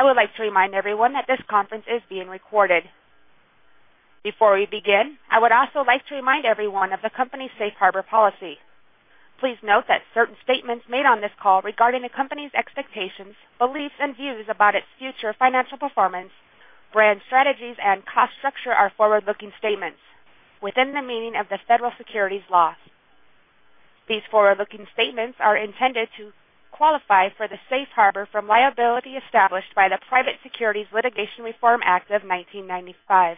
I would like to remind everyone that this conference is being recorded. Before we begin, I would also like to remind everyone of the company's safe harbor policy. Please note that certain statements made on this call regarding the company's expectations, beliefs, and views about its future financial performance, brand strategies, and cost structure are forward-looking statements within the meaning of the Federal Securities Law. These forward-looking statements are intended to qualify for the safe harbor from liability established by the Private Securities Litigation Reform Act of 1995.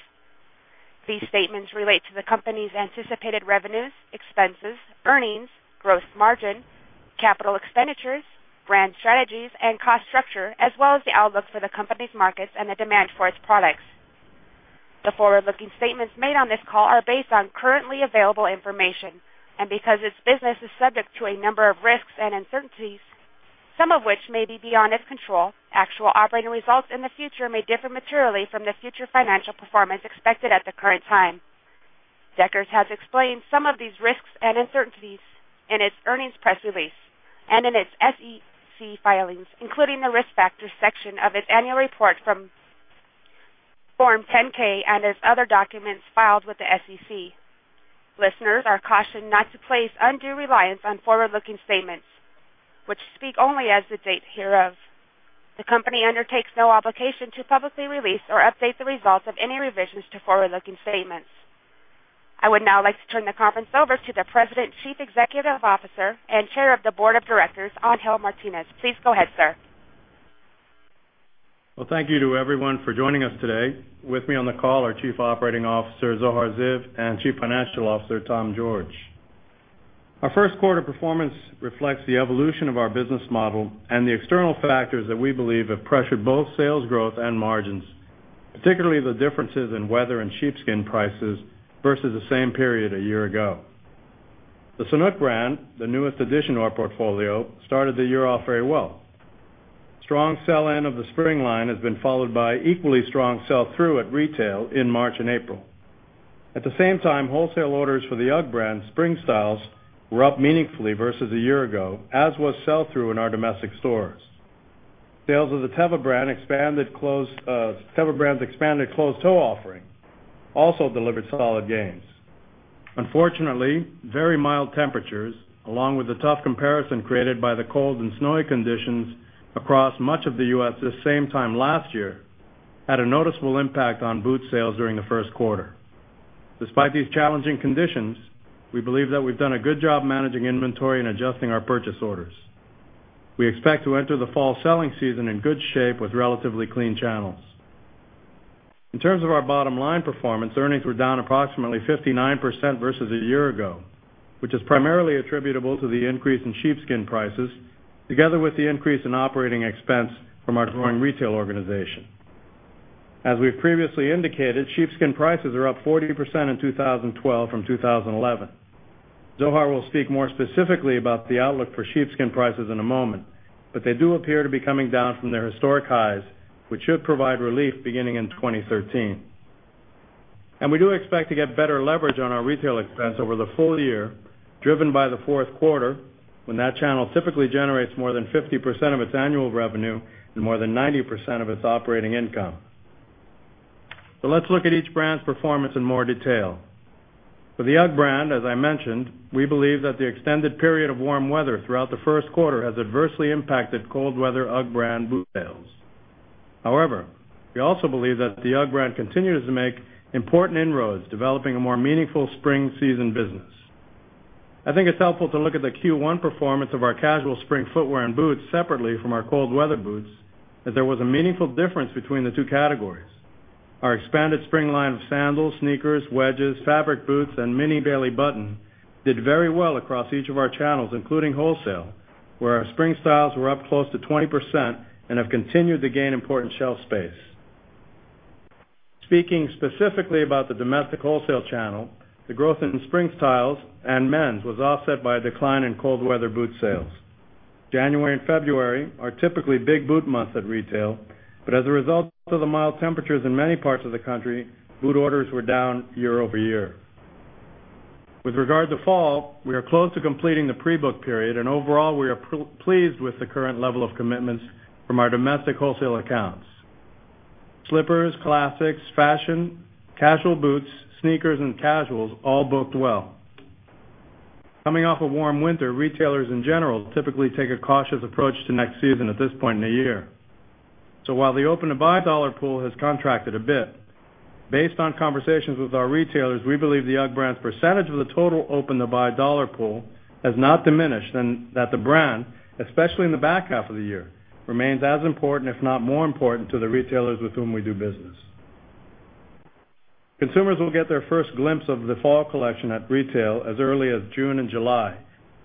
These statements relate to the company's anticipated revenues, expenses, earnings, gross margin, capital expenditures, brand strategies, and cost structure, as well as the outlook for the company's markets and the demand for its products. The forward-looking statements made on this call are based on currently available information, and because its business is subject to a number of risks and uncertainties, some of which may be beyond its control, actual operating results in the future may differ materially from the future financial performance expected at the current time. Deckershas explained some of these risks and uncertainties in its earnings press release and in its SEC filings, including the risk factors section of its annual report from Form 10-K and its other documents filed with the SEC. Listeners are cautioned not to place undue reliance on forward-looking statements, which speak only as of the date hereof. The company undertakes no obligation to publicly release or update the results of any revisions to forward-looking statements. I would now like to turn the conference over to the President, Chief Executive Officer, and Chair of the Board of Directors, Angel Martinez. Please go ahead, sir. Thank you to everyone for joining us today. With me on the call are Chief Operating Officer, Zohar Ziv, and Chief Financial Officer, Tom George. Our first quarter performance reflects the evolution of our business model and the external factors that we believe have pressured both sales growth and margins, particularly the differences in weather and sheepskin prices versus the same period a year ago. The Sanuk brand, the newest addition to our portfolio, started the year off very well. Strong sell-in of the spring line has been followed by equally strong sell-through at retail in March and April. At the same time, wholesale orders for the UGG brand, Spring Styles, were up meaningfully versus a year ago, as was sell-through in our domestic stores. Sales of the Teva brand expanded closed-toe offering also delivered solid gains. Unfortunately, very mild temperatures, along with the tough comparison created by the cold and snowy conditions across much of the U.S. this same time last year, had a noticeable impact on boot sales during the first quarter. Despite these challenging conditions, we believe that we've done a good job managing inventory and adjusting our purchase orders. We expect to enter the fall selling season in good shape with relatively clean channels. In terms of our bottom-line performance, earnings were down approximately 59% versus a year ago, which is primarily attributable to the increase in sheepskin prices, together with the increase in operating expense from our growing retail organization. As we've previously indicated, sheepskin prices are up 40% in 2012 from 2011. Zohar will speak more specifically about the outlook for sheepskin prices in a moment, but they do appear to be coming down from their historic highs, which should provide relief beginning in 2013. We do expect to get better leverage on our retail expense over the full year, driven by the fourth quarter, when that channel typically generates more than 50% of its annual revenue and more than 90% of its operating income. Let's look at each brand's performance in more detail. For the UGG brand, as I mentioned, we believe that the extended period of warm weather throughout the first quarter has adversely impacted cold-weather UGG brand boot sales. However, we also believe that the UGG brand continues to make important inroads, developing a more meaningful spring season business. I think it's helpful to look at the Q1 performance of our casual spring footwear and boots, separately from our cold-weather boots, as there was a meaningful difference between the two categories. Our expanded spring line of sandals, sneakers, wedges, fabric boots, and Mini Bailey Button did very well across each of our channels, including wholesale, where our Spring Styles were up close to 20% and have continued to gain important shelf space. Speaking specifically about the domestic wholesale channel, the growth in Spring Styles and men's was offset by a decline in cold-weather boot sales. January and February are typically big boot months at retail, but as a result of the mild temperatures in many parts of the country, boot orders were down year-over-year. With regard to fall, we are close to completing the pre-book period, and overall, we are pleased with the current level of commitments from our domestic wholesale accounts. Slippers, classics, fashion, casual boots, sneakers, and casuals all booked well. Coming off a warm winter, retailers in general typically take a cautious approach to next season at this point in the year. While the open-to-buy dollar pool has contracted a bit, based on conversations with our retailers, we believe the UGG brand's percentage of the total open-to-buy dollar pool has not diminished and that the brand, especially in the back half of the year, remains as important, if not more important, to the retailers with whom we do business. Consumers will get their first glimpse of the fall collection at retail as early as June and July,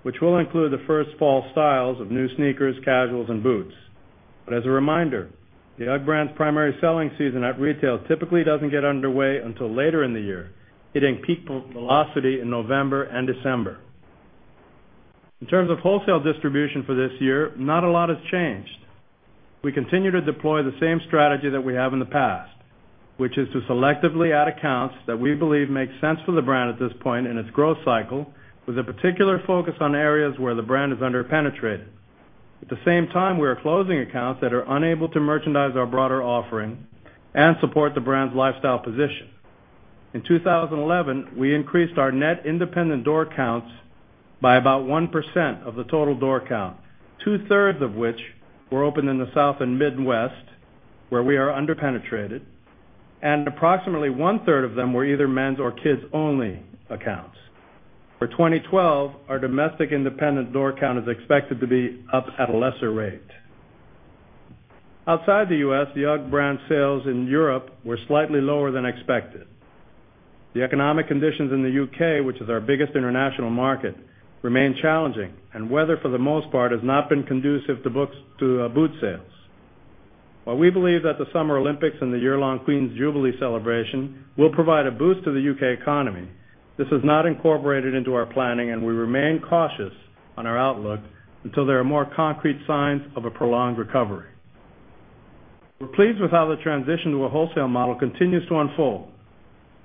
which will include the first fall styles of new sneakers, casuals, and boots. As a reminder, the UGG brand's primary selling season at retail typically doesn't get underway until later in the year, hitting peak velocity in November and December. In terms of wholesale distribution for this year, not a lot has changed. We continue to deploy the same strategy that we have in the past, which is to selectively add accounts that we believe make sense for the brand at this point in its growth cycle, with a particular focus on areas where the brand is underpenetrated. At the same time, we are closing accounts that are unable to merchandise our broader offering and support the brand's lifestyle position. In 2011, we increased our net independent door counts by about 1% of the total door count, 2/3 of which were opened in the South and Midwest, where we are underpenetrated, and approximately 1/3 of them were either men's or kids-only accounts. For 2012, our domestic independent door count is expected to be up at a lesser rate. Outside the U.S. the UGG brand sales in Europe were slightly lower than expected. The economic conditions in the U.K. which is our biggest international market, remain challenging, and weather, for the most part, has not been conducive to boot sales. While we believe that the Summer Olympics and the year-long Queen's Jubilee celebration will provide a boost to the U.K. economy, this is not incorporated into our planning, and we remain cautious on our outlook until there are more concrete signs of a prolonged recovery. We're pleased with how the transition to a wholesale model continues to unfold.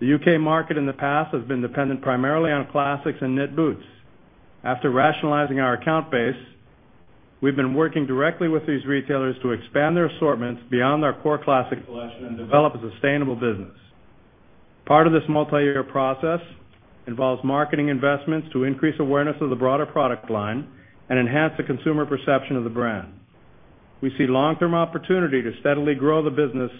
The U.K. market in the past has been dependent primarily on classics and knit boots. After rationalizing our account base, we've been working directly with these retailers to expand their assortments beyond our core classic and develop a sustainable business. Part of this multi-year process involves marketing investments to increase awareness of the broader product line and enhance the consumer perception of the brand. We see long-term opportunity to steadily grow the business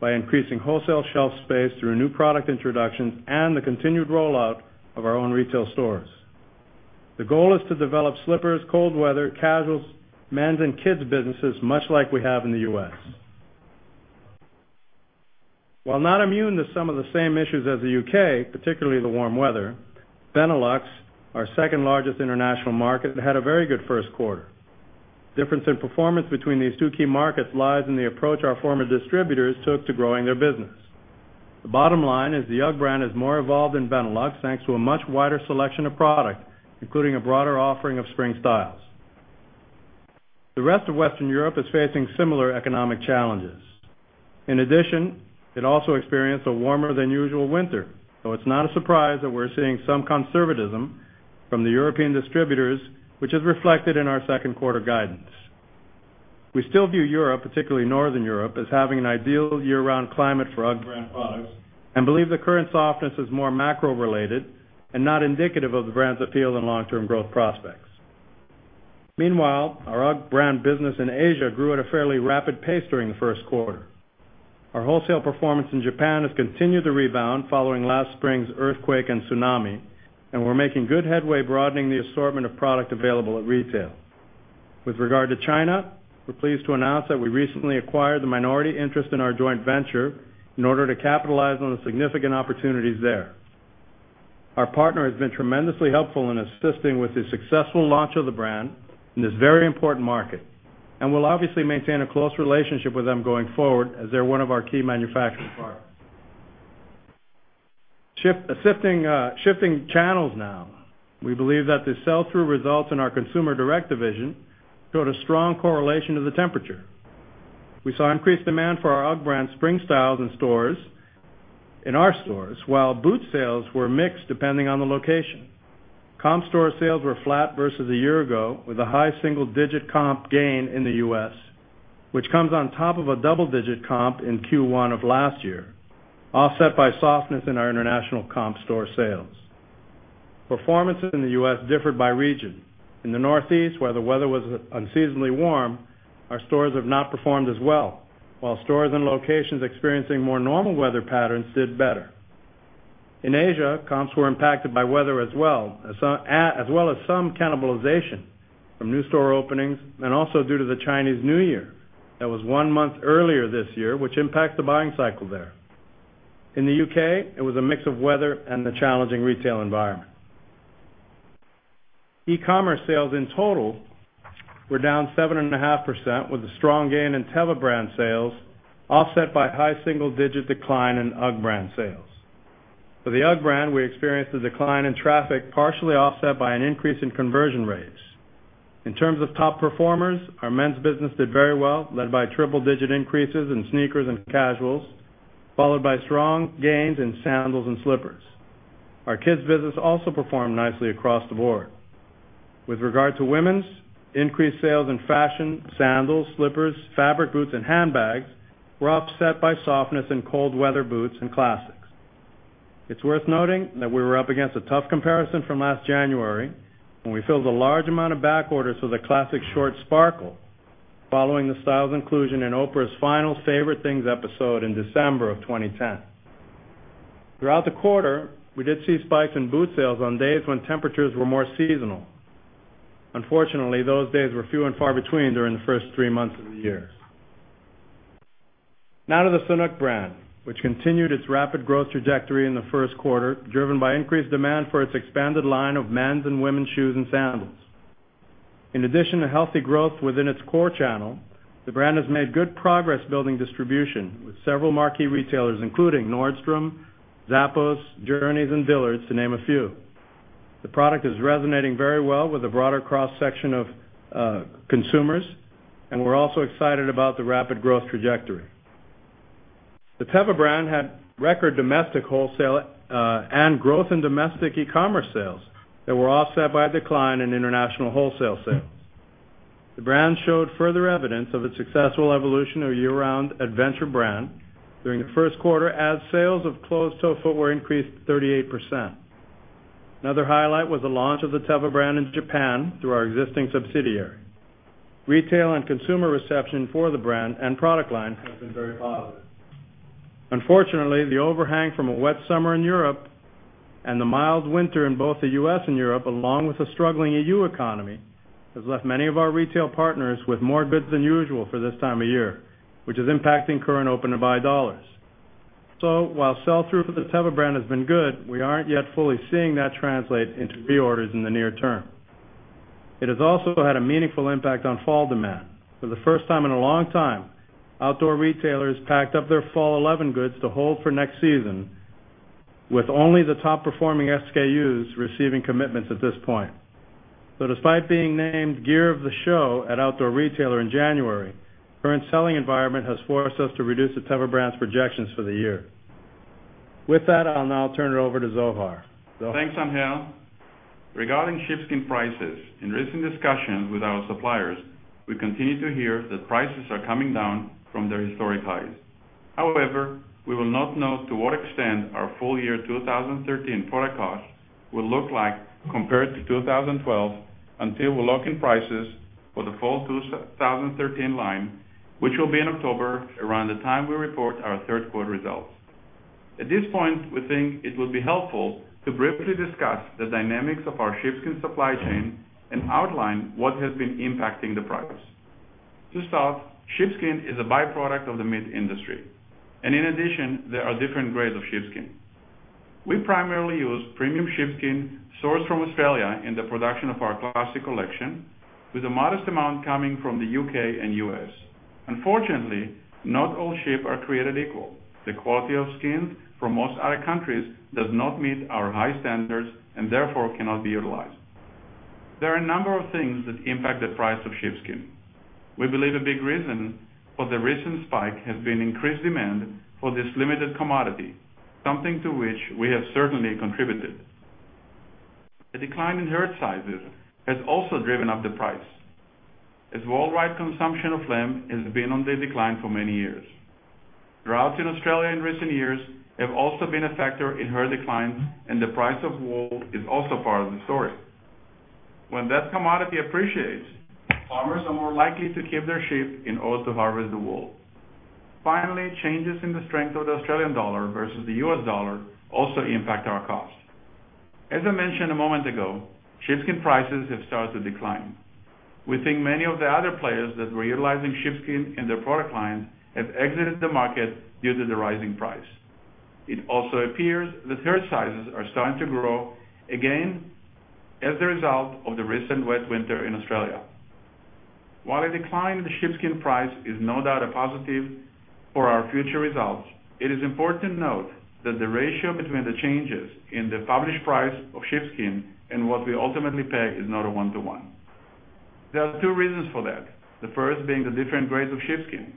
by increasing wholesale shelf space through new product introductions and the continued rollout of our own retail stores. The goal is to develop slippers, cold weather, casuals, men's, and kids' businesses much like we have in the U.S. While not immune to some of the same issues as the U.K. particularly the warm weather, Benelux, our second-largest international market, had a very good first quarter. The difference in performance between these two key markets lies in the approach our former distributors took to growing their business. The bottom line is the UGG brand is more evolved than Benelux, thanks to a much wider selection of product, including a broader offering of Spring Styles. The rest of Western Europe is facing similar economic challenges. In addition, it also experienced a warmer-than-usual winter, so it's not a surprise that we're seeing some conservatism from the European distributors, which is reflected in our second quarter guidance. We still view Europe, particularly Northern Europe, as having an ideal year-round climate for UGG brand products and believe the current softness is more macro-related and not indicative of the brand's appeal and long-term growth prospects. Meanwhile, our UGG brand business in Asia grew at a fairly rapid pace during the first quarter. Our wholesale performance in Japan has continued to rebound following last spring's earthquake and tsunami, and we're making good headway broadening the assortment of product available at retail. With regard to China, we're pleased to announce that we recently acquired the minority interest in our joint venture in order to capitalize on the significant opportunities there. Our partner has been tremendously helpful in assisting with the successful launch of the brand in this very important market, and we'll obviously maintain a close relationship with them going forward, as they're one of our key manufacturing partners. Shifting channels now, we believe that the sell-through results in our consumer direct division showed a strong correlation to the temperature. We saw increased demand for our UGG brand Spring Styles in our stores, while boot sales were mixed depending on the location. Comp store sales were flat versus a year ago, with a high single-digit comp gain in the U.S. which comes on top of a double-digit comp in Q1 of last year, offset by softness in our international comp store sales. Performance in the U.S. differed by region. In the Northeast, where the weather was unseasonably warm, our stores have not performed as well, while stores and locations experiencing more normal weather patterns did better. In Asia, comps were impacted by weather as well, as well as some cannibalization from new store openings and also due to the Chinese New Year that was one month earlier this year, which impacted the buying cycle there. In the U.K. it was a mix of weather and the challenging retail environment. E-commerce sales in total were down 7.5%, with a strong gain in Teva brand sales, offset by a high single-digit decline in UGG brand sales. For the UGG brand, we experienced a decline in traffic, partially offset by an increase in conversion rates. In terms of top performers, our men's business did very well, led by triple-digit increases in sneakers and casuals, followed by strong gains in sandals and slippers. Our kids' business also performed nicely across the board. With regard to women's, increased sales in fashion, sandals, slippers, fabric boots, and handbags were offset by softness in cold-weather boots and classics. It's worth noting that we were up against a tough comparison from last January, when we filled a large amount of back orders for the classic short sparkle following the style's inclusion in Oprah's final Favorite Things episode in December of 2010. Throughout the quarter, we did see spikes in boot sales on days when temperatures were more seasonal. Unfortunately, those days were few and far between during the first three months of the year. Now to the Sanuk brand, which continued its rapid growth trajectory in the first quarter, driven by increased demand for its expanded line of men's and women's shoes and sandals. In addition to healthy growth within its core channel, the brand has made good progress building distribution with several marquee retailers, including Nordstrom, Zappos, Journeys, and Dillard's, to name a few. The product is resonating very well with a broader cross-section of consumers, and we're also excited about the rapid growth trajectory. The Teva brand had record domestic wholesale and growth in domestic e-commerce sales that were offset by a decline in international wholesale sales. The brand showed further evidence of its successful evolution to a year-round adventure brand during the first quarter, as sales of closed-toe footwear increased 38%. Another highlight was the launch of the Teva brand in Japan through our existing subsidiary. Retail and consumer reception for the brand and product line has been very positive. Unfortunately, the overhang from a wet summer in Europe and the mild winter in both the U.S. and Europe, along with a struggling EU economy, has left many of our retail partners with more bids than usual for this time of year, which is impacting current open-to-buy dollars. While sell-through for the Teva brand has been good, we aren't yet fully seeing that translate into pre-orders in the near- term. It has also had a meaningful impact on fall demand. For the first time in a long time, outdoor retailers packed up their fall 2011 goods to hold for next season, with only the top-performing SKUs receiving commitments at this point. Despite being named gear of the show at Outdoor Retailer in January, the current selling environment has forced us to reduce the Teva brand's projections for the year. With that, I'll now turn it over to Zohar. Thanks, Angel. Thanks, Daniel. Regarding sheepskin prices, in recent discussions with our suppliers, we continue to hear that prices are coming down from their historic highs. However, we will not know to what extent our full-year 2013 product cost will look like compared to 2012 until we lock in prices for the full 2013 line, which will be in October, around the time we report our third quarter results. At this point, we think it would be helpful to briefly discuss the dynamics of our sheepskin supply chain and outline what has been impacting the price. To start, sheepskin is a byproduct of the meat industry, and in addition, there are different grades of sheepskin. We primarily use premium sheepskin sourced from Australia in the production of our classic collection, with a modest amount coming from the U.K. and U.S. Unfortunately, not all sheep are created equal. The quality of skin from most other countries does not meet our high standards and therefore cannot be utilized. There are a number of things that impact the price of sheepskin. We believe a big reason for the recent spike has been increased demand for this limited commodity, something to which we have certainly contributed. The decline in herd sizes has also driven up the price, as wool-ripe consumption of lamb has been on the decline for many years. Droughts in Australia in recent years have also been a factor in herd declines, and the price of wool is also part of the story. When that commodity appreciates, farmers are more likely to keep their sheep in order to harvest the wool. Finally, changes in the strength of the Australian dollar versus the U.S. dollar also impact our costs. As I mentioned a moment ago, sheepskin prices have started to decline. We think many of the other players that were utilizing sheepskin in their product lines have exited the market due to the rising price. It also appears that herd sizes are starting to grow again as a result of the recent wet winter in Australia. While a decline in sheepskin price is no doubt a positive for our future results, it is important to note that the ratio between the changes in the published price of sheepskin and what we ultimately peg is not a one-to-one. There are two reasons for that, the first being the different grades of sheepskin.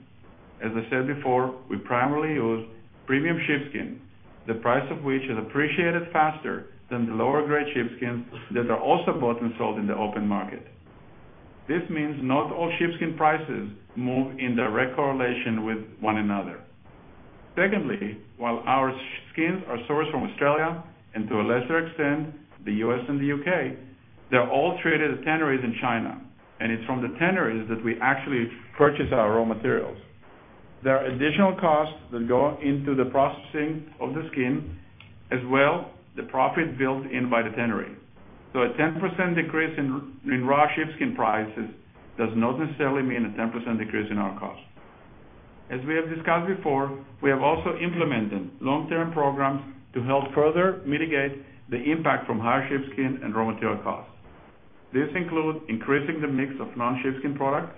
As I said before, we primarily use premium sheepskin, the price of which is appreciated faster than the lower-grade sheepskins that are also bought and sold in the open market. This means not all sheepskin prices move in direct correlation with one another. Secondly, while our skins are sourced from Australia, and to a lesser extent, the U.S. and the U.K. they're all traded at tanneries in China, and it's from the tanneries that we actually purchase our raw materials. There are additional costs that go into the processing of the skin as well as the profit built in by the tannery. A 10% decrease in raw sheepskin prices does not necessarily mean a 10% decrease in our costs. As we have discussed before, we have also implemented long-term programs to help further mitigate the impact from higher sheepskin and raw material costs. This includes increasing the mix of non-sheepskin products,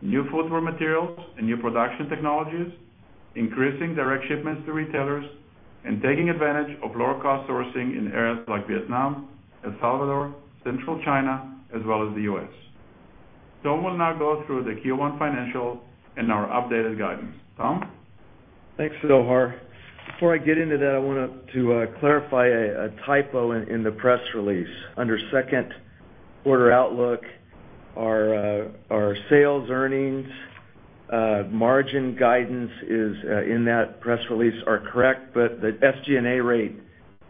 new footwear materials, and new production technologies, increasing direct shipments to retailers, and taking advantage of lower-cost sourcing in areas like Vietnam, El Salvador, Central China, as well as the U.S. Tom will now go through the Q1 financials and our updated guidance. Tom? Thanks, Zohar. Before I get into that, I want to clarify a typo in the press release. Under second quarter outlook, our sales earnings margin guidance in that press release is correct, but the SG&A rate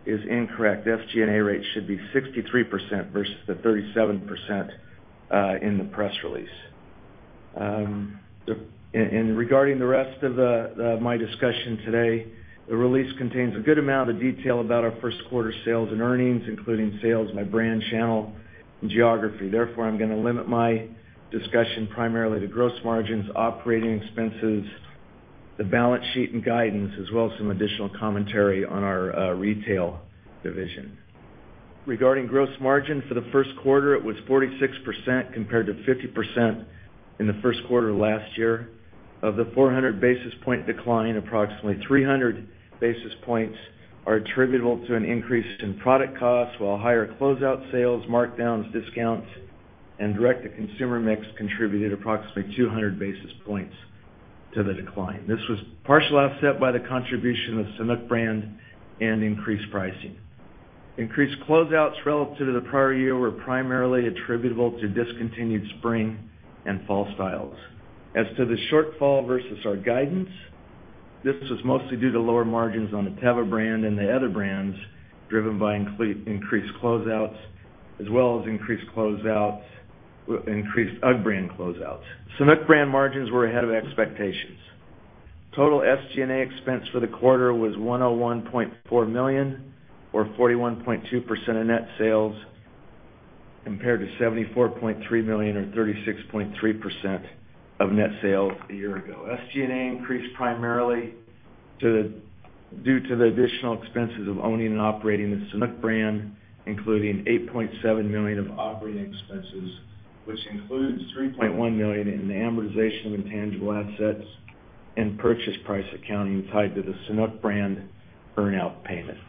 is incorrect. The SG&A rate should be 63% versus the 37% in the press release. Regarding the rest of my discussion today, the release contains a good amount of detail about our first quarter sales and earnings, including sales by brand, channel, and geography. Therefore, I'm going to limit my discussion primarily to gross margins, operating expenses, the balance sheet, and guidance, as well as some additional commentary on our retail division. Regarding gross margin for the first quarter, it was 46% compared to 50% in the first quarter last year. Of the 400 basis point decline, approximately 300 basis points are attributable to an increase in product costs, while higher closeout sales, markdowns, discounts, and direct-to-consumer mix contributed approximately 200 basis points to the decline. This was partially offset by the contribution of the Sanuk brand and increased pricing. Increased closeouts relative to the prior year were primarily attributable to discontinued spring and fall styles. As to the shortfall versus our guidance, this was mostly due to lower margins on the Teva brand and the other brands, driven by increased closeouts, as well as increased closeouts, increased UGG brand closeouts. Sanuk brand margins were ahead of expectations. Total SG&A expense for the quarter was $101.4 million, or 41.2% of net sales, compared to $74.3 million, or 36.3% of net sales a year ago. SG&A increased primarily due to the additional expenses of owning and operating the Sanuk brand, including $8.7 million of operating expenses, which includes $3.1 million in the amortization of intangible assets and purchase price accounting tied to the Sanuk brand burnout payments.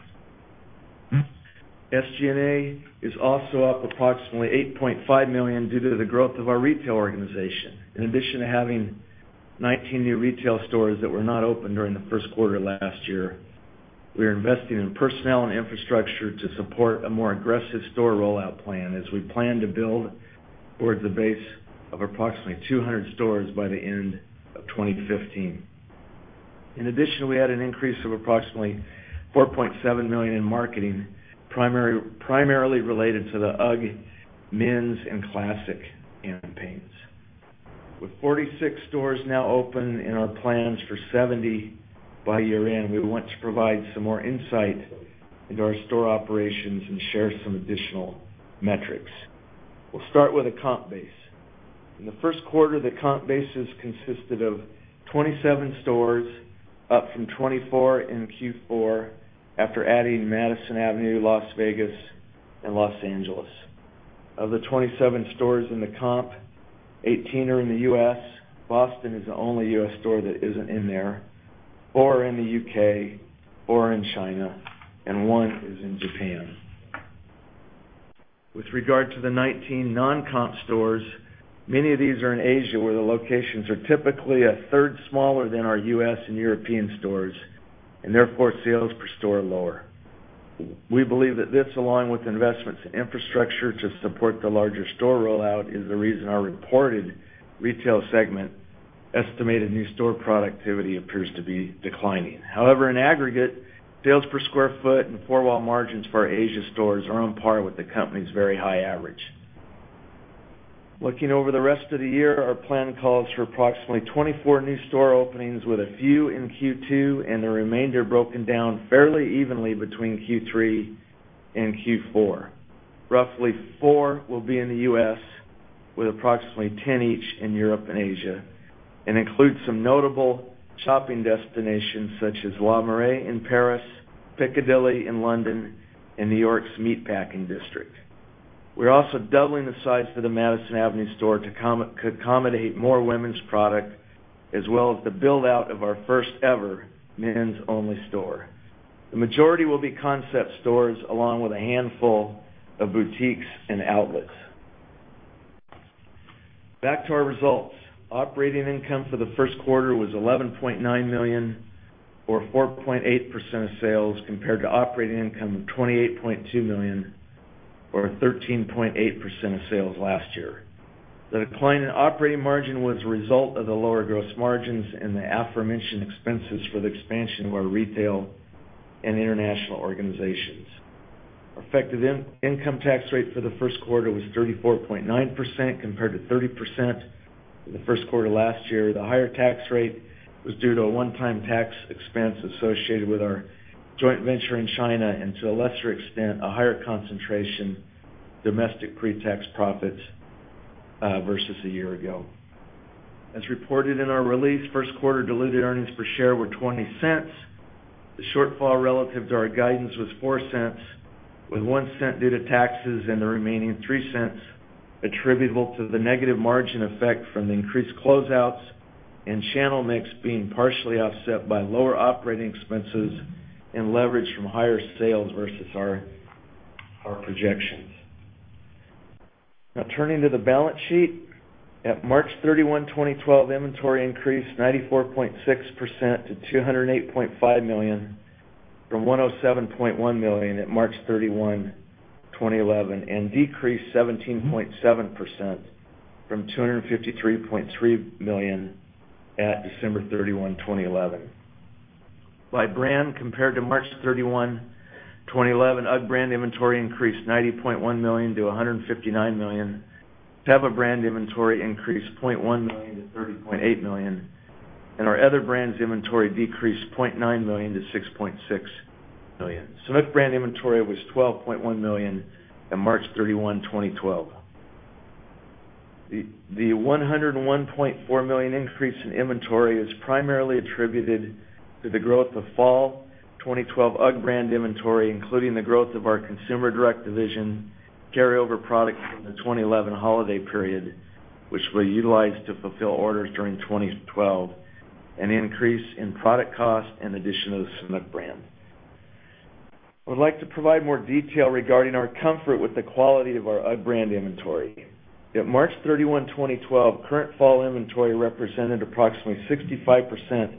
SG&A is also up approximately $8.5 million due to the growth of our retail organization. In addition to having 19 new retail stores that were not open during the first quarter last year, we are investing in personnel and infrastructure to support a more aggressive store rollout plan, as we plan to build towards the base of approximately 200 stores by the end of 2015. In addition, we had an increase of approximately $4.7 million in marketing, primarily related to the UGG, men's, and classic campaigns. With 46 stores now open and our plans for 70 by year-end, we want to provide some more insight into our store operations and share some additional metrics. We'll start with the comp base. In the first quarter, the comp bases consisted of 27 stores, up from 24 in Q4 after adding Madison Avenue, Las Vegas, and Los Angeles. Of the 27 stores in the comp, 18 are in the U.S. Boston is the only U.S. store that isn't in there, four are in the U.K. four are in China, and one is in Japan. With regard to the 19 non-comp stores, many of these are in Asia, where the locations are typically a third smaller than our U.S. and European stores, and therefore sales per store are lower. We believe that this, along with investments in infrastructure to support the larger store rollout, is the reason our reported retail segment estimated new store productivity appears to be declining. However, in aggregate, sales per square foot and four-wall margins for our Asia stores are on par with the company's very high average. Looking over the rest of the year, our plan calls for approximately 24 new store openings, with a few in Q2, and the remainder broken down fairly evenly between Q3 and Q4. Roughly four will be in the U.S. with approximately 10 each in Europe and Asia, and include some notable shopping destinations such as La Mer in Paris, Piccadilly in London, and New York's Meatpacking District. We're also doubling the size of the Madison Avenue store to accommodate more women's product, as well as the build-out of our first-ever men's-only store. The majority will be concept stores, along with a handful of boutiques and outlets. Back to our results. Operating income for the first quarter was $11.9 million, or 4.8% of sales, compared to operating income of $28.2 million, or 13.8% of sales last year. The decline in operating margin was a result of the lower gross margins and the aforementioned expenses for the expansion of our retail and international organizations. Affected income tax rate for the first quarter was 34.9%, compared to 30% in the first quarter last year. The higher tax rate was due to a one-time tax expense associated with our joint venture in China, and to a lesser extent, a higher concentration of domestic pre-tax profits versus a year ago. As reported in our release, first quarter diluted earnings per share were $0.20. The shortfall relative to our guidance was $0.04, with $0.01 due to taxes and the remaining $0.03 attributable to the negative margin effect from the increased closeouts and channel mix being partially offset by lower operating expenses and leverage from higher sales versus our projections. Now, turning to the balance sheet, at March 31, 2012, inventory increased 94.6% to $208.5 million, from $107.1 million at March 31, 2011, and decreased 17.7% from $253.3 million at December 31, 2011. By brand compared to March 31, 2011, UGG brand inventory increased $90.1 million-$159 million, Teva brand inventory increased $0.1 million-$30.8 million, and our other brands' inventory decreased $0.9 million-$6.6 million. Sanuk brand inventory was $12.1 million at March 31, 2012. The $101.4 million increase in inventory is primarily attributed to the growth of fall 2012 UGG brand inventory, including the growth of our consumer direct division carryover product from the 2011 holiday period, which we utilized to fulfill orders during 2012, and the increase in product cost in addition to the Sanuk brand. I would like to provide more detail regarding our comfort with the quality of our UGG brand inventory. At March 31, 2012, current fall inventory represented approximately 65%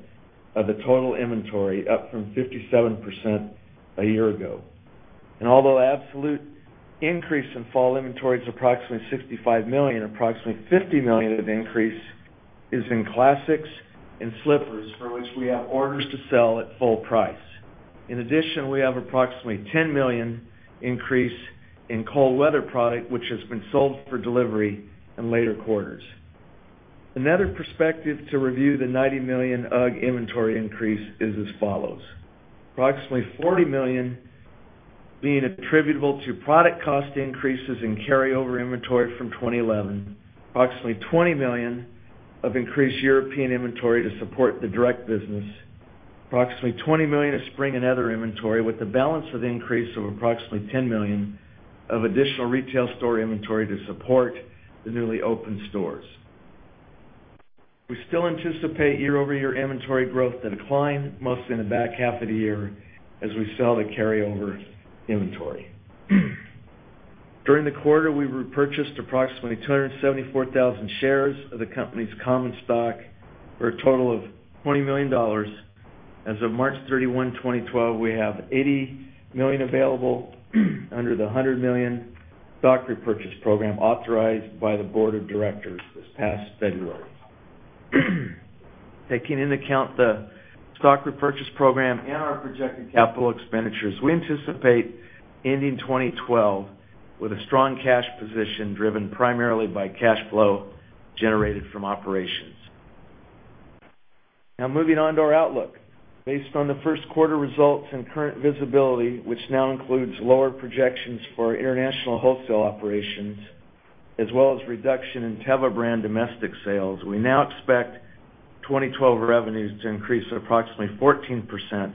of the total inventory, up from 57% a year ago. Although the absolute increase in fall inventory is approximately $65 million, approximately $50 million of the increase is in classics and slippers, for which we have orders to sell at full price. In addition, we have approximately $10 million increase in cold-weather product, which has been sold for delivery in later quarters. Another perspective to review the $90 million UGG inventory increase is as follows: approximately $40 million being attributable to product cost increases in carryover inventory from 2011, approximately $20 million of increased European inventory to support the direct business, approximately $20 million of spring and other inventory, with the balance of the increase of approximately $10 million of additional retail store inventory to support the newly opened stores. We still anticipate year-over-year inventory growth to decline, mostly in the back half of the year, as we sell the carryover inventory. During the quarter, we repurchased approximately 274,000 shares of the company's common stock for a total of $20 million. As of March 31, 2012, we have $80 million available under the $100 million stock repurchase program authorized by the Board of Directors this past February. Taking into account the stock repurchase program and our projected capital expenditures, we anticipate ending 2012 with a strong cash position driven primarily by cash flow generated from operations. Now, moving on to our outlook. Based on the first quarter results and current visibility, which now includes lower projections for international wholesale operations, as well as a reduction in Teva brand domestic sales, we now expect 2012 revenues to increase at approximately 14%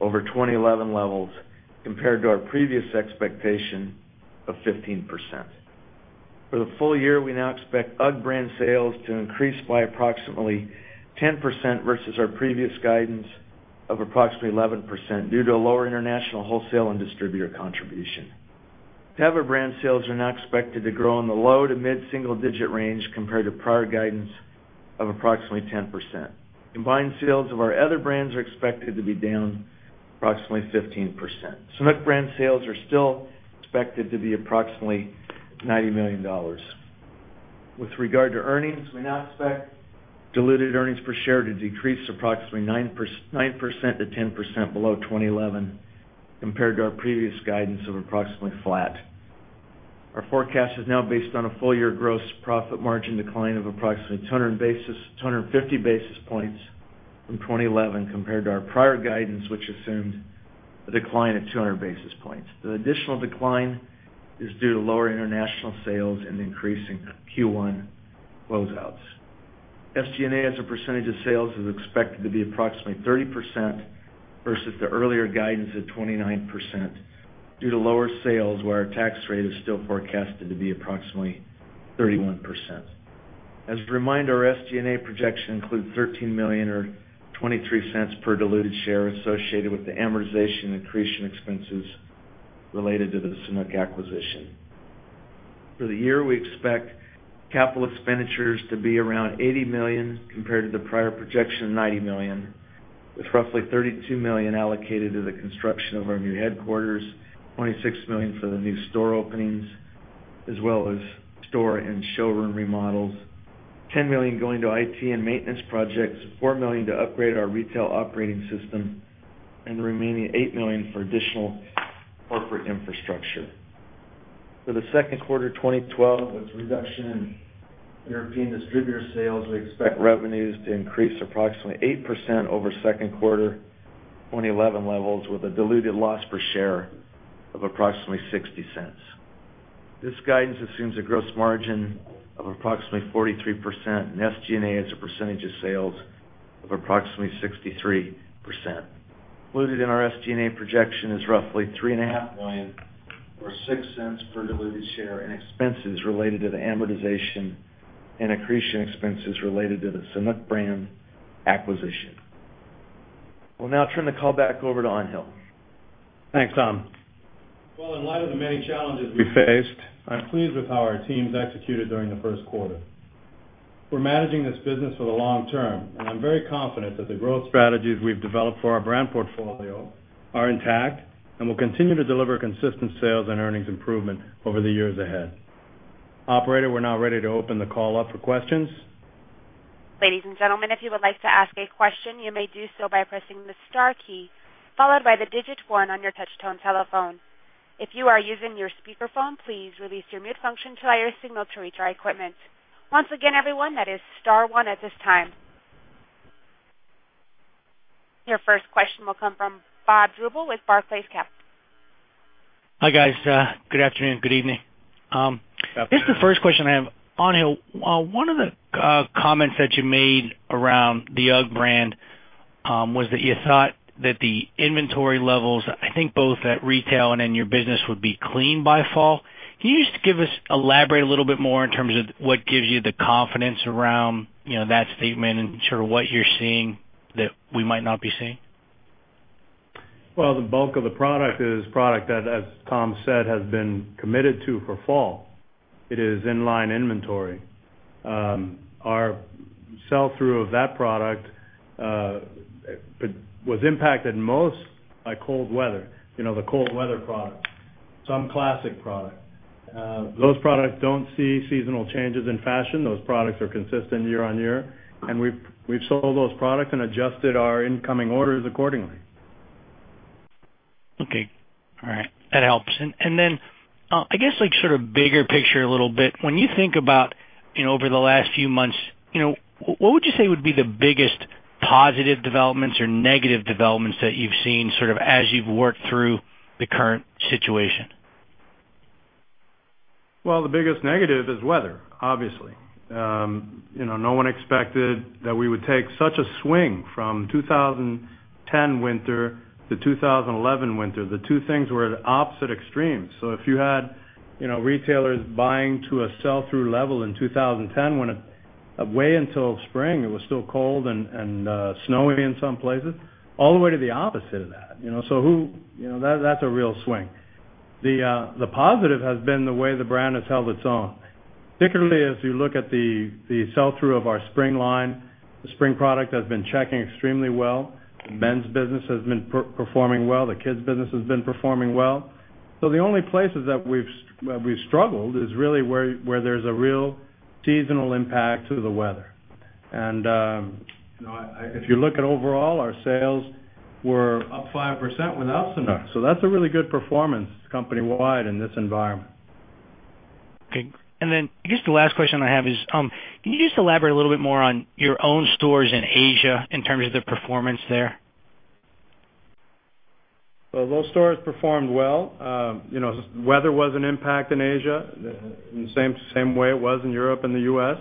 over 2011 levels, compared to our previous expectation of 15%. For the full year, we now expect UGG brand sales to increase by approximately 10% versus our previous guidance of approximately 11% due to a lower international wholesale and distributor contribution. Teva brand sales are now expected to grow in the low to mid-single-digit range, compared to prior guidance of approximately 10%. Combined sales of our other brands are expected to be down approximately 15%. Sanuk brand sales are still expected to be approximately $90 million. With regard to earnings, we now expect diluted earnings per share to decrease approximately 9%-10% below 2011, compared to our previous guidance of approximately flat. Our forecast is now based on a full-year gross profit margin decline of approximately 250 basis points from 2011, compared to our prior guidance, which assumed a decline of 200 basis points. The additional decline is due to lower international sales and increasing Q1 closeouts. SG&A, as a percentage of sales, is expected to be approximately 30% versus the earlier guidance of 29% due to lower sales, where our tax rate is still forecasted to be approximately 31%. As a reminder, our SG&A projection includes $13 million or $0.23 per diluted share associated with the amortization and accretion expenses related to the Sanuk acquisition. For the year, we expect capital expenditures to be around $80 million compared to the prior projection of $90 million, with roughly $32 million allocated to the construction of our new headquarters, $26 million for the new store openings, as well as store and showroom remodels, $10 million going to IT and maintenance projects, $4 million to upgrade our retail operating system, and the remaining $8 million for additional corporate infrastructure. For the second quarter of 2012, with a reduction in European distributor sales, we expect revenues to increase approximately 8% over second quarter 2011 levels, with a diluted loss per share of approximately $0.60. This guidance assumes a gross margin of approximately 43%, and SG&A as a percentage of sales of approximately 63%. Included in our SG&A projection is roughly $3.5 million or $0.06 per diluted share in expenses related to the amortization and accretion expenses related to the Sanuk brand acquisition. We'll now turn the call back over to Angel. Thanks, Tom. In light of the many challenges we faced, I'm pleased with how our team's executed during the first quarter. We're managing this business for the long-term, and I'm very confident that the growth strategies we've developed for our brand portfolio are intact and will continue to deliver consistent sales and earnings improvement over the years ahead. Operator, we're now ready to open the call up for questions. Ladies and gentlemen, if you would like to ask a question, you may do so by pressing the Star key, followed by the digit one on your touch-tone telephone. If you are using your speakerphone, please release your mute function to allow your signal to reach our equipment. Once again, everyone, that is Star one at this time. Your first question will come from Bert Drbul with Barclays Capital. Hi, guys. Good afternoon, good evening. The first question I have, Angel, one of the comments that you made around the UGG brand was that you thought that the inventory levels, I think both at retail and in your business, would be clean by fall. Can you elaborate a little bit more in terms of what gives you the confidence around that statement and sort of what you're seeing that we might not be seeing? The bulk of the product is product that, as Tom said, has been committed to for fall. It is in-line inventory. Our sell-through of that product was impacted most by cold weather, you know, the cold weather products, some classic products. Those products don't see seasonal changes in fashion. Those products are consistent year on year, and we've sold those products and adjusted our incoming orders accordingly. Okay. All right. That helps. I guess, like, sort of bigger picture a little bit, when you think about, you know, over the last few months, what would you say would be the biggest positive developments or negative developments that you've seen as you've worked through the current situation? The biggest negative is weather, obviously. No one expected that we would take such a swing from 2010 winter-2011 winter. The two things were at opposite extremes. If you had retailers buying to a sell-through level in 2010 when it went until spring, it was still cold and snowy in some places, all the way to the opposite of that, you know, that's a real swing. The positive has been the way the brand has held its own, particularly as you look at the sell-through of our spring line. The spring product has been checking extremely well. The men's business has been performing well. The kids' business has been performing well. The only places that we've struggled is really where there's a real seasonal impact to the weather. If you look at overall, our sales were up 5% without Sanuk. That's a really good performance company-wide in this environment. Okay. I guess the last question I have is, can you just elaborate a little bit more on your own stores in Asia in terms of the performance there? Those stores performed well. You know, weather was an impact in Asia, the same way it was in Europe and the U.S.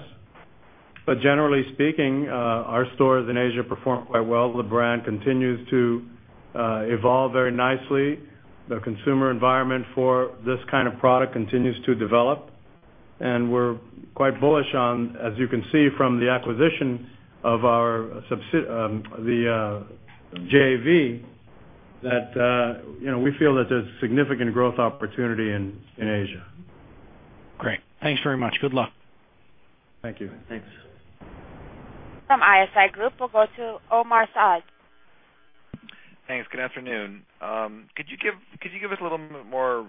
but generally speaking, our stores in Asia perform quite well. The brand continues to evolve very nicely. The consumer environment for this kind of product continues to develop, and we're quite bullish on, as you can see from the acquisition of our, the, JV, that, you know, we feel that there's significant growth opportunity in Asia. Great. Thanks very much. Good luck. Thank you. Thanks. From ISI Group, we'll go to Omar Saad. Thanks. Good afternoon. Could you give us a little bit more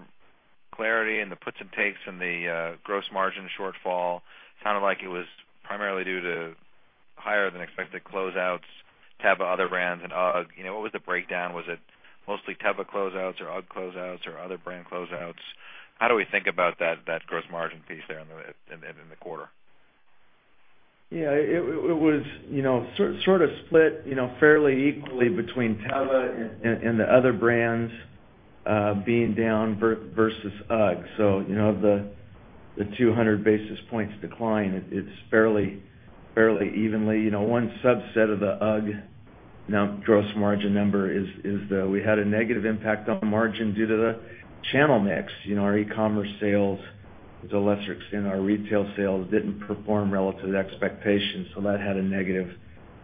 clarity in the puts and takes in the gross margin shortfall? It sounded like it was primarily due to higher-than-expected closeouts, Teva, other brands, and UGG. What was the breakdown? Was it mostly Teva closeouts or UGG closeouts or other brand closeouts? How do we think about that gross margin piece there in the quarter? Yeah, it was sort of split fairly equally between Teva and the other brands, being down versus UGG. The 200 basis points decline is fairly evenly. One subset of the UGG gross margin number is we had a negative impact on margin due to the channel mix. Our e-commerce sales, to a lesser extent, our retail sales didn't perform relative to expectations, so that had a negative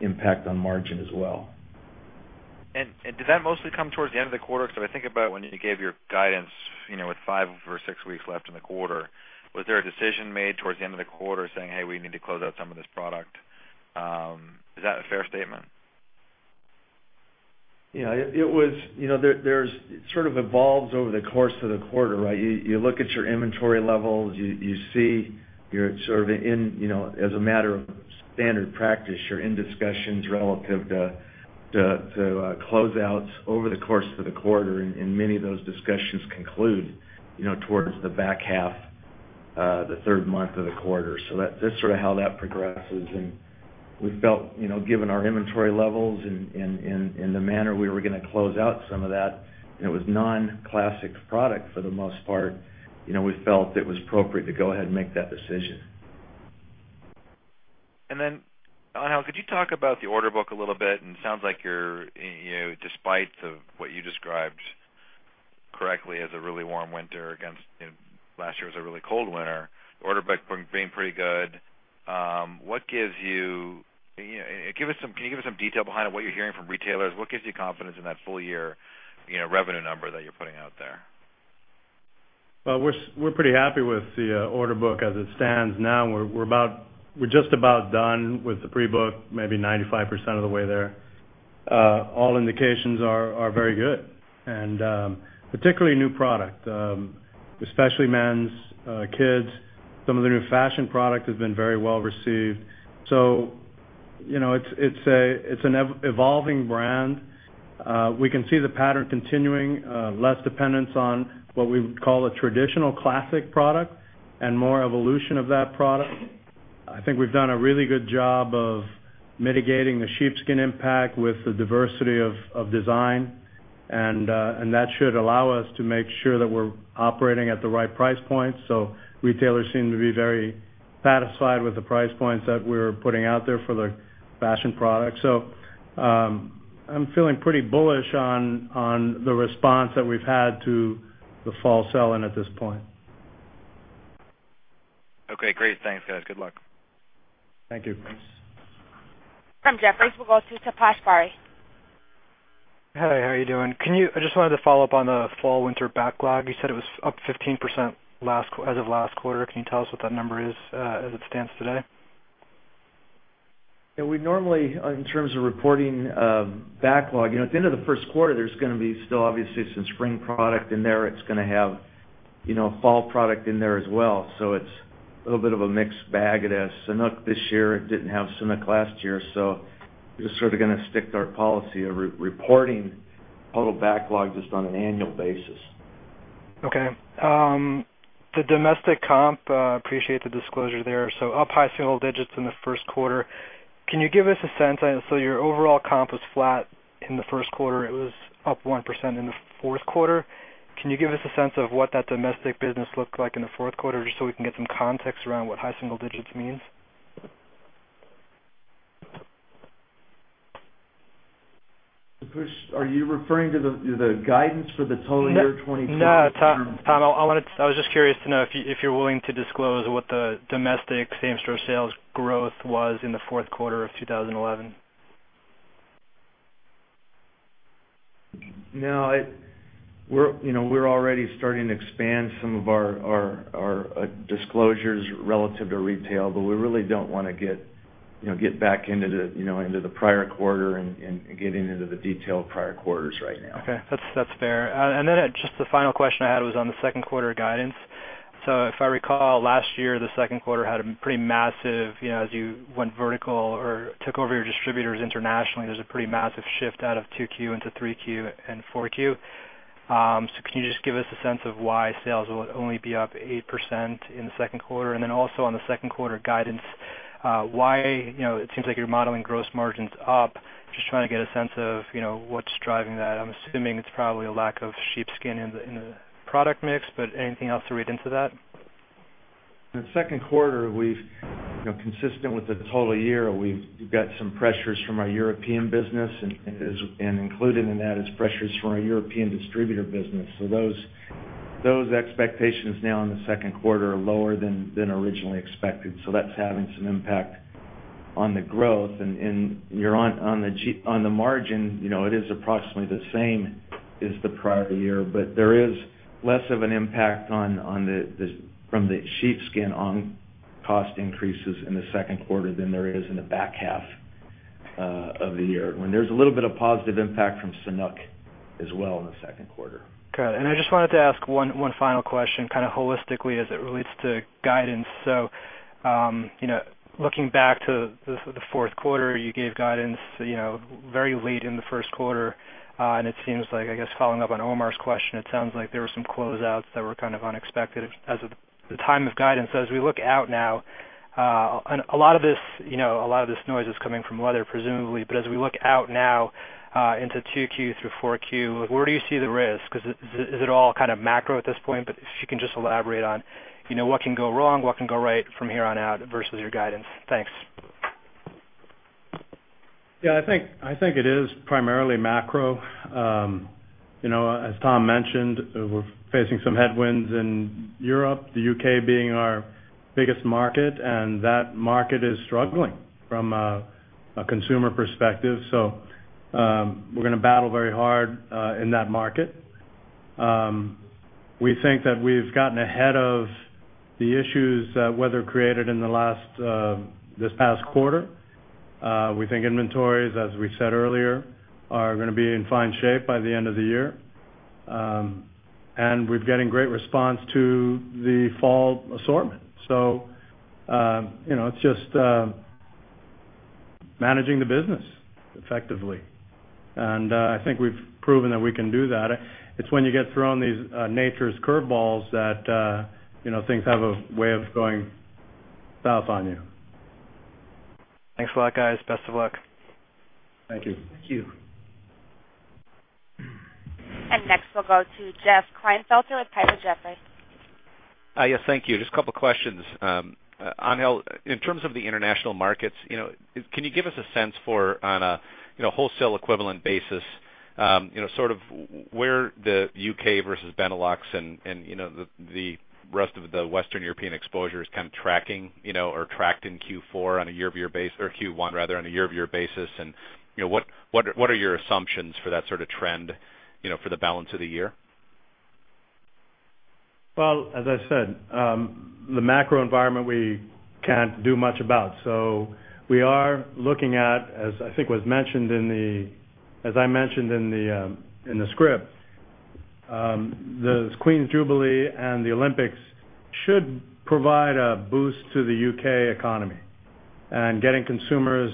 impact on margin as well. Did that mostly come towards the end of the quarter? Because if I think about when you gave your guidance, you know, with five or six weeks left in the quarter, was there a decision made towards the end of the quarter saying, "Hey, we need to close out some of this product"? Is that a fair statement? Yeah, it was, you know, it sort of evolves over the course of the quarter, right? You look at your inventory levels, you see you're sort of in, you know, as a matter of standard practice, you're in discussions relative to closeouts over the course of the quarter, and many of those discussions conclude towards the back half, the third month of the quarter. That's sort of how that progresses. We felt, given our inventory levels and the manner we were going to close out some of that, and it was non-classic product for the most part, we felt it was appropriate to go ahead and make that decision. Angel, could you talk about the order book a little bit? It sounds like, despite what you described correctly as a really warm winter against last year, which was a really cold winter, the order book is pretty good. What gives you confidence in that full year revenue number that you're putting out there? Can you give us some detail behind it, what you're hearing from retailers? We're pretty happy with the order book as it stands now. We're just about done with the pre-book, maybe 95% of the way there. All indications are very good, particularly new product, especially men's, kids. Some of the new fashion product has been very well-received. You know, it's an evolving brand. We can see the pattern continuing, less dependence on what we would call a traditional classic product and more evolution of that product. I think we've done a really good job of mitigating the sheepskin impact with the diversity of design, and that should allow us to make sure that we're operating at the right price points. Retailers seem to be very satisfied with the price points that we're putting out there for the fashion product. I'm feeling pretty bullish on the response that we've had to the fall sell-in at this point. Okay, great. Thanks, guys. Good luck. Thank you. From Jefferies, we'll go to Taposh Bari. Hi, how are you doing? Can you, I just wanted to follow up on the fall winter backlog. You said it was up 15% as of last quarter. Can you tell us what that number is as it stands today? Yeah, we normally, in terms of reporting backlog, you know, at the end of the first quarter, there's going to be still obviously some spring product in there. It's going to have, you know, fall product in there as well. It's a little bit of a mixed bag. It is Sanuk this year. It didn't have Sanuk last year. We're just sort of going to stick to our policy of reporting total backlog just on an annual basis. Okay. The domestic comp, I appreciate the disclosure there. Up high single digits in the first quarter. Can you give us a sense? Your overall comp was flat in the first quarter. It was up 1% in the fourth quarter. Can you give us a sense of what that domestic business looked like in the fourth quarter just so we can get some context around what high single digits means? Are you referring to the guidance for the total year 2011? No, Tom, I wanted to, I was just curious to know if you're willing to disclose what the domestic same-store sales growth was in the fourth quarter of 2011. No, we're already starting to expand some of our disclosures relative to retail, but we really don't want to get back into the prior quarter and getting into the detail of prior quarters right now. Okay, that's fair. Just the final question I had was on the second quarter guidance. If I recall, last year, the second quarter had a pretty massive, you know, as you went vertical or took over your distributors internationally, there's a pretty massive shift out of 2Q into 3Q and 4Q. Can you just give us a sense of why sales will only be up 8% in the second quarter? Also, on the second quarter guidance, it seems like you're modeling gross margins up. Just trying to get a sense of what's driving that. I'm assuming it's probably a lack of sheepskin in the product mix, but anything else to read into that? In the second quarter, consistent with the total year, we've got some pressures from our European business, and included in that is pressures from our European distributor business. Those expectations now in the second quarter are lower than originally expected. That's having some impact on the growth. On the margin, it is approximately the same as the prior year, but there is less of an impact from the sheepskin on cost increases in the second quarter than there is in the back half of the year, when there's a little bit of positive impact from Sanuk as well in the second quarter. Got it. I just wanted to ask one final question, kind of holistically, as it relates to guidance. Looking back to the fourth quarter, you gave guidance very late in the first quarter, and it seems like, I guess, following up on Omar's question, it sounds like there were some closeouts that were kind of unexpected as of the time of guidance. As we look out now, a lot of this noise is coming from weather, presumably, but as we look out now into 2Q-4Q, where do you see the risk? Is it all kind of macro at this point? If you can just elaborate on what can go wrong, what can go right from here on out versus your guidance. Thanks. Yeah, I think it is primarily macro. You know, as Tom mentioned, we're facing some headwinds in Europe, the U.K. being our biggest market, and that market is struggling from a consumer perspective. We're going to battle very hard in that market. We think that we've gotten ahead of the issues that weather created in this past quarter. We think inventories, as we said earlier, are going to be in fine shape by the end of the year. We're getting great response to the fall assortment. You know, it's just managing the business effectively. I think we've proven that we can do that. It's when you get thrown these nature's curveballs that things have a way of going south on you. Thanks a lot, guys. Best of luck. Thank you. Thank you. Next, we'll go to Jeff Klinefelter with Piper Jaffray. Yes, thank you. Just a couple of questions. Angel, in terms of the international markets, can you give us a sense for, on a wholesale equivalent basis, where the U.K. versus Benelux and the rest of the Western European exposure is kind of tracking, or tracked in Q4 on a year-to-year basis, or Q1, rather, on a year-to-year basis? What are your assumptions for that sort of trend for the balance of the year? As I said, the macro environment we can't do much about. We are looking at, as I mentioned in the script, the Queen's Jubilee and the Olympics should provide a boost to the U.K. economy and get consumers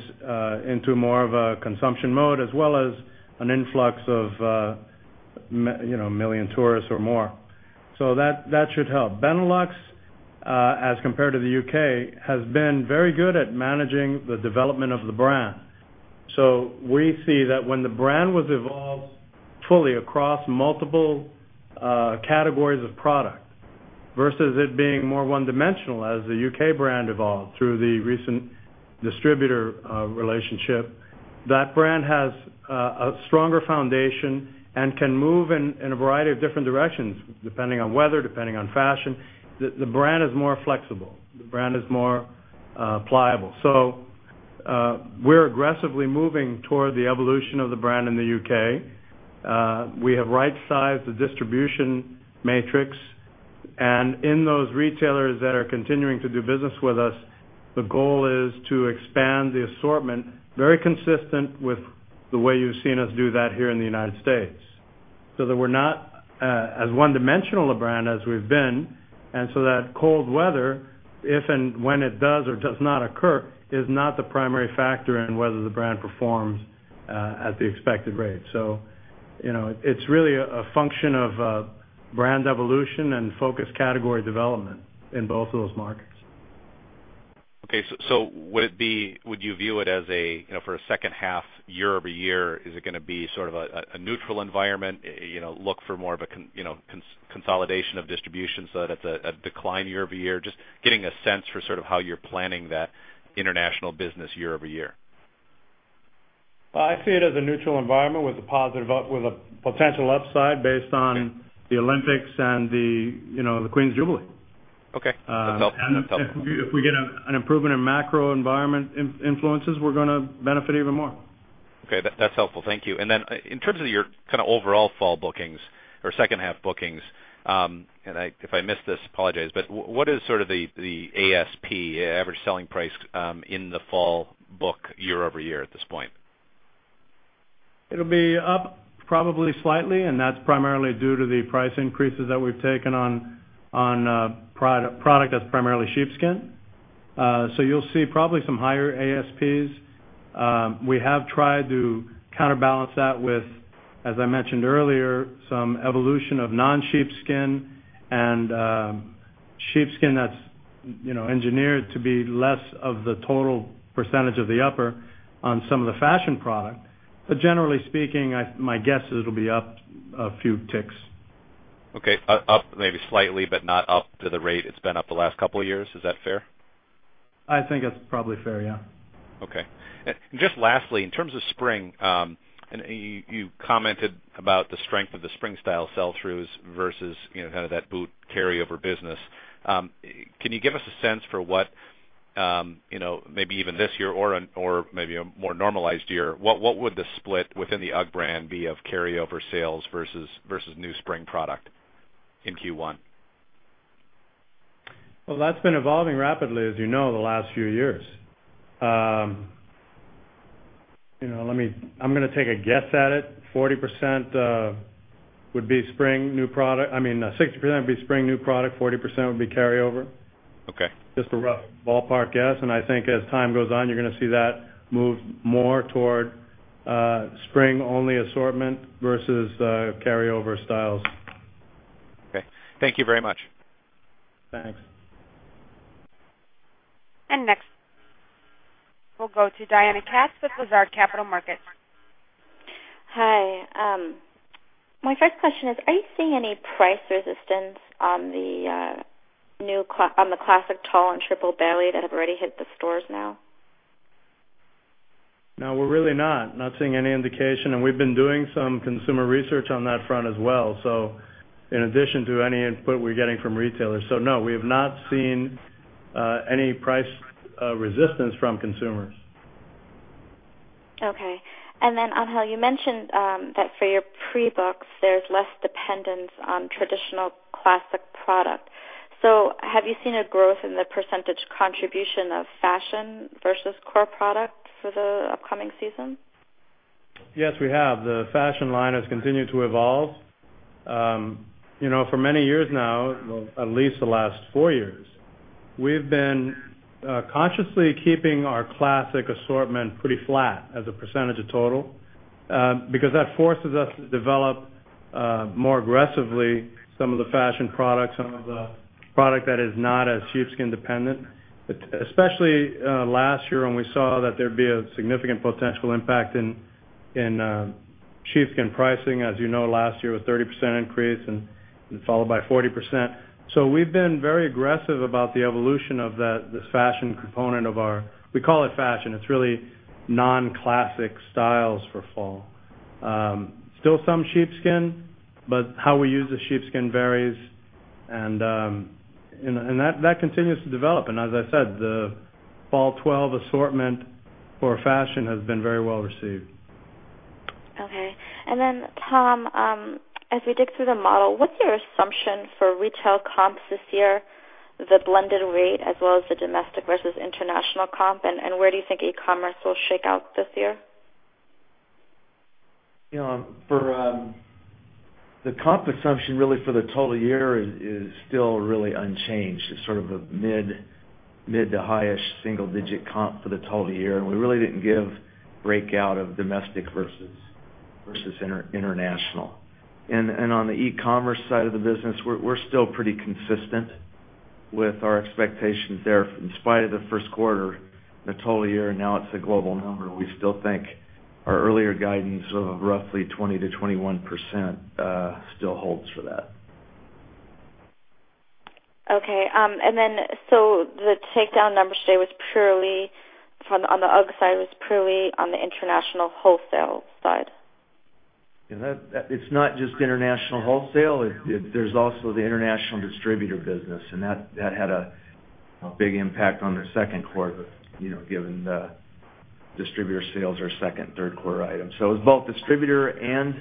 into more of a consumption mode, as well as an influx of, you know, a million tourists or more. That should help. Benelux, as compared to the U.K. has been very good at managing the development of the brand. We see that when the brand was evolved fully across multiple categories of product versus it being more one-dimensional, as the U.K. brand evolved through the recent distributor relationship, that brand has a stronger foundation and can move in a variety of different directions, depending on weather, depending on fashion. The brand is more flexible. The brand is more pliable. We are aggressively moving toward the evolution of the brand in the U.K. We have right-sized the distribution matrix, and in those retailers that are continuing to do business with us, the goal is to expand the assortment very consistent with the way you've seen us do that here in the United States. We are not as one-dimensional a brand as we've been, and cold weather, if and when it does or does not occur, is not the primary factor in whether the brand performs at the expected rate. It's really a function of brand evolution and focused category development in both of those markets. Okay, so would it be, would you view it as a, you know, for a second half year-over-year, is it going to be sort of a neutral environment? You know, look for more of a, you know, consolidation of distribution so that it's a decline year-over-year? Just getting a sense for sort of how you're planning that international business year-over-year. I see it as a neutral environment with a potential upside based on the Olympics and the, you know, the Queen's Jubilee. Okay, that's helpful. If we get an improvement in macro environment influences, we're going to benefit even more. Okay, that's helpful. Thank you. In terms of your kind of overall fall bookings or second half bookings, if I missed this, apologize, but what is sort of the ASP, average selling price, in the fall book year-over-year at this point? It'll be up probably slightly, and that's primarily due to the price increases that we've taken on product that's primarily sheepskin. You'll see probably some higher ASPs. We have tried to counterbalance that with, as I mentioned earlier, some evolution of non-sheepskin and sheepskin that's engineered to be less of the total percentage of the upper on some of the fashion product. Generally speaking, my guess is it'll be up a few ticks. Okay, up maybe slightly, but not up to the rate it's been up the last couple of years. Is that fair? I think that's probably fair, yeah. Okay. Lastly, in terms of spring, you commented about the strength of the spring style sell-throughs versus, you know, kind of that boot carryover business. Can you give us a sense for what, you know, maybe even this year or maybe a more normalized year, what would the split within the UGG brand be of carryover sales versus new spring product in Q1? That's been evolving rapidly, as you know, the last few years. Let me take a guess at it. 60% would be spring new product. 40% would be carryover. Okay. Just a rough ballpark guess. I think as time goes on, you're going to see that move more toward spring-only assortment versus carryover styles. Okay, thank you very much. Thanks. Next, we'll go to Diana Katz with Lazard Capital Markets. Hi. My first question is, are you seeing any price resistance on the new Classic Tall and Triple Bailey that have already hit the stores now? No, we're really not. Not seeing any indication, and we've been doing some consumer research on that front as well. In addition to any input we're getting from retailers, we have not seen any price resistance from consumers. Okay. Angel, you mentioned that for your pre-books, there's less dependence on traditional classic product. Have you seen a growth in the percentage contribution of fashion versus core product for the upcoming season? Yes, we have. The fashion line has continued to evolve. You know, for many years now, at least the last four years, we've been consciously keeping our classic assortment pretty flat as a percentage of total, because that forces us to develop more aggressively some of the fashion products, some of the product that is not as sheepskin dependent. Especially last year when we saw that there'd be a significant potential impact in sheepskin pricing, as you know, last year with a 30% increase, followed by 40%. We've been very aggressive about the evolution of that fashion component of our, we call it fashion. It's really non-classic styles for fall. Still some sheepskin, but how we use the sheepskin varies, and that continues to develop. As I said, the fall 2012 assortment for fashion has been very well received. Okay. Tom, as we dig through the model, what's your assumption for retail comps this year, the blended weight as well as the domestic versus international comp, and where do you think e-commerce will shake out this year? You know, for the comp assumption really for the total year is still really unchanged. It's sort of a mid to high-ish single-digit comp for the total year, and we really didn't give a breakout of domestic versus international. On the e-commerce side of the business, we're still pretty consistent with our expectations there. In spite of the first quarter in the total year, and now it's a global number, we still think our earlier guidance of roughly 20%-21% still holds for that. Okay. The takedown number today was purely on the UGG side, purely on the international wholesale side. It's not just international wholesale. There's also the international distributor business, and that had a big impact on the second quarter, given the distributor sales are second and third quarter items. It was both distributor and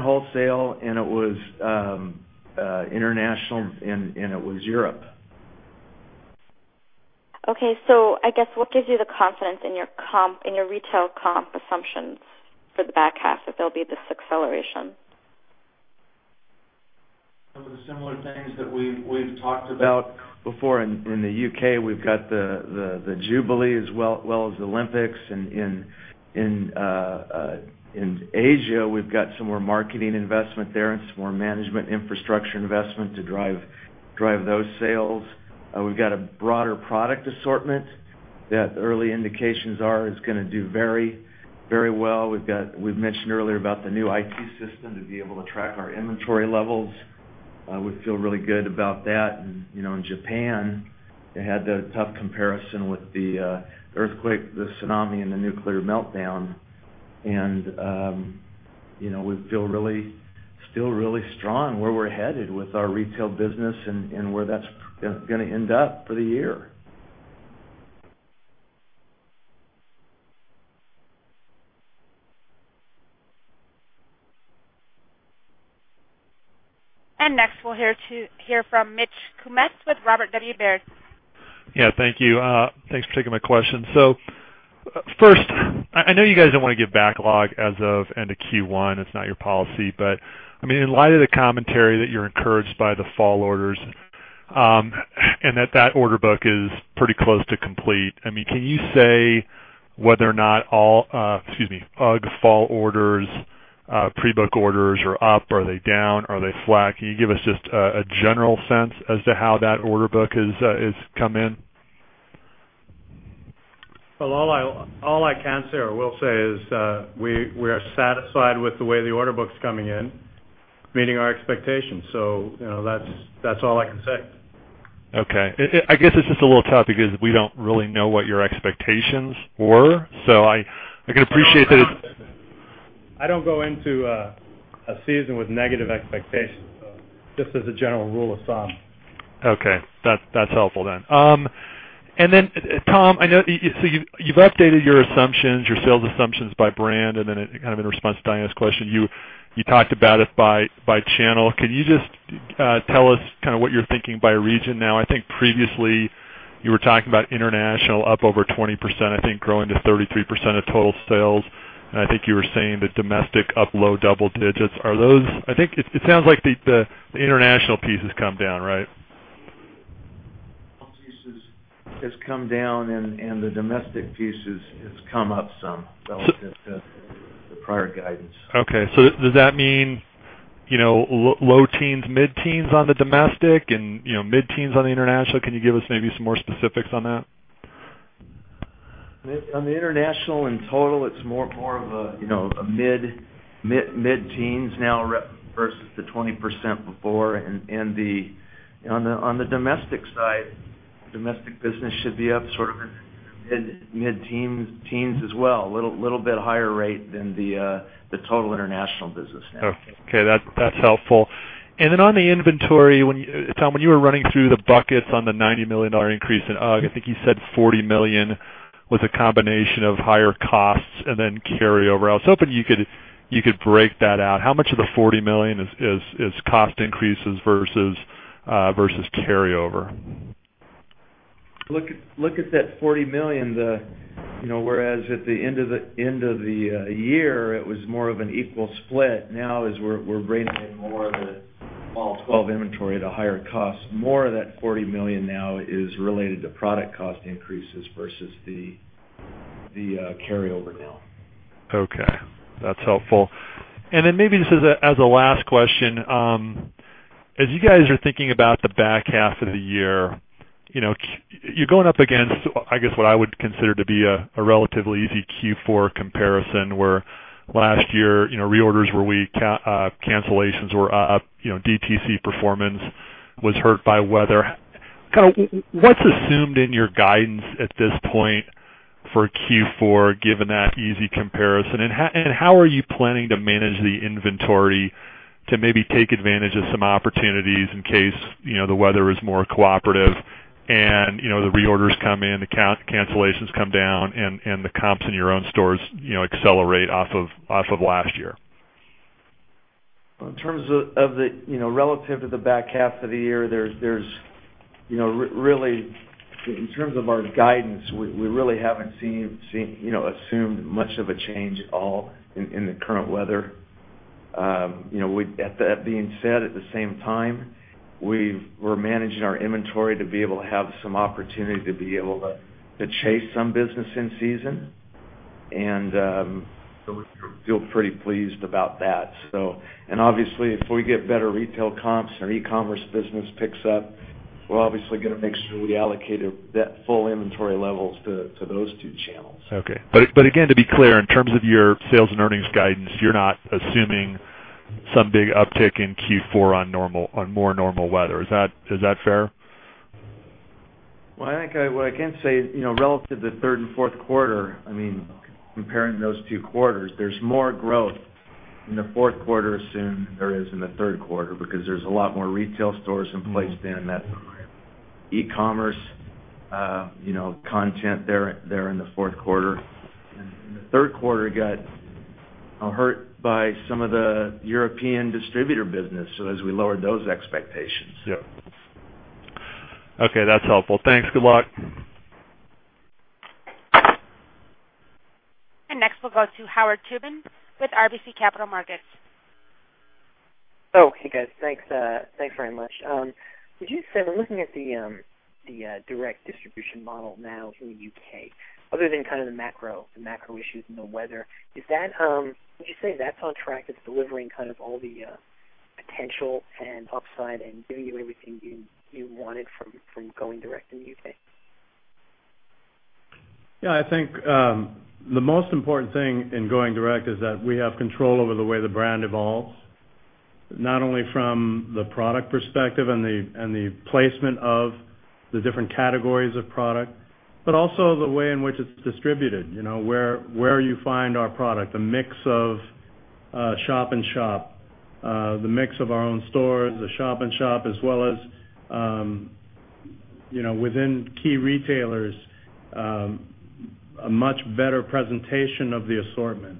wholesale, and it was international, and it was Europe. What gives you the confidence in your comp, in your retail comp assumptions for the back half that there'll be this acceleration? Similar things that we've talked about before in the U.K. We've got the Jubilee as well as the Olympics. In Asia, we've got some more marketing investment there and some more management infrastructure investment to drive those sales. We've got a broader product assortment that early indications are is going to do very, very well. We mentioned earlier about the new IT system to be able to track our inventory levels. We feel really good about that. You know, in Japan, they had a tough comparison with the earthquake, the tsunami, and the nuclear meltdown. You know, we feel really, still really strong where we're headed with our retail business and where that's going to end up for the year. Next, we'll hear from Mitch Kummetz with Baird. Thank you. Thanks for taking my question. I know you guys don't want to give backlog as of end of Q1. That's not your policy. In light of the commentary that you're encouraged by the fall orders and that that order book is pretty close to complete, can you say whether or not all, excuse me, UGG fall orders, pre-book orders are up, are they down, are they flat? Can you give us just a general sense as to how that order book has come in? I can say or will say is we are satisfied with the way the order book's coming in, meeting our expectations. That's all I can say. Okay, I guess it's just a little tough because we don't really know what your expectations were. I can appreciate that it's. I don't go into a season with negative expectations, just as a general rule of thumb. Okay. That's helpful. Tom, I know you've updated your assumptions, your sales assumptions by brand, and in response to Diana's question, you talked about it by channel. Can you just tell us what you're thinking by region now? I think previously you were talking about international up over 20%, I think growing to 33% of total sales. I think you were saying the domestic up low double-digits. It sounds like the international piece has come down, right? The pieces have come down, and the domestic pieces have come up some relative to the prior guidance. Okay. Does that mean, you know, low teens, mid-teens on the domestic, and, you know, mid-teens on the international? Can you give us maybe some more specifics on that? On the international in total, it's more of a mid-teens now versus the 20% before. On the domestic side, the domestic business should be up sort of in mid-teens as well, a little bit higher rate than the total international business now. Okay. That's helpful. On the inventory, Tom, when you were running through the buckets on the $90 million increase in UGG, I think you said $40 million was a combination of higher costs and then carryover. I was hoping you could break that out. How much of the $40 million is cost increases versus carryover? Look at that $40 million. You know, whereas at the end of the year, it was more of an equal split. Now, as we're bringing in more of the fall 2012 inventory at a higher cost, more of that $40 million now is related to product cost increases versus the carryover now. Okay. That's helpful. Maybe this is as a last question. As you guys are thinking about the back half of the year, you're going up against, I guess, what I would consider to be a relatively easy Q4 comparison where last year, you know, reorders were weak, cancellations were up, DTC performance was hurt by weather. Kind of what's assumed in your guidance at this point for Q4, given that easy comparison? How are you planning to manage the inventory to maybe take advantage of some opportunities in case, you know, the weather is more cooperative and, you know, the reorders come in, the cancellations come down, and the comps in your own stores, you know, accelerate off of last year? In terms of the, you know, relative to the back half of the year, there's really, in terms of our guidance, we really haven't seen, you know, assumed much of a change at all in the current weather. With that being said, at the same time, we're managing our inventory to be able to have some opportunity to be able to chase some business in season. We feel pretty pleased about that. Obviously, if we get better retail comps or e-commerce business picks up, we're obviously going to make sure we allocate that full inventory levels to those two channels. Okay. Again, to be clear, in terms of your sales and earnings guidance, you're not assuming some big uptick in Q4 on more normal weather. Is that fair? I think what I can say, you know, relative to the third and fourth quarter, I mean, comparing those two quarters, there's more growth in the fourth quarter than there is in the third quarter because there's a lot more retail stores in place there, and that's e-commerce content there in the fourth quarter. In the third quarter, we got hurt by some of the European distributor business. As we lower those expectations. Yeah, okay. That's helpful. Thanks. Good luck. Next, we'll go to Howard Tubin with RBC Capital Markets. Oh, hey, guys. Thanks. Thanks very much. Would you say, looking at the direct distribution model now in the U.K. other than kind of the macro issues and the weather, is that, would you say that's on track? It's delivering kind of all the potential and upside and giving you everything you wanted from going direct in the U.K.? Yeah, I think the most important thing in going direct is that we have control over the way the brand evolves, not only from the product perspective and the placement of the different categories of product, but also the way in which it's distributed, you know, where you find our product, a mix of shop in shop, the mix of our own stores, the shop in shop, as well as, you know, within key retailers, a much better presentation of the assortment.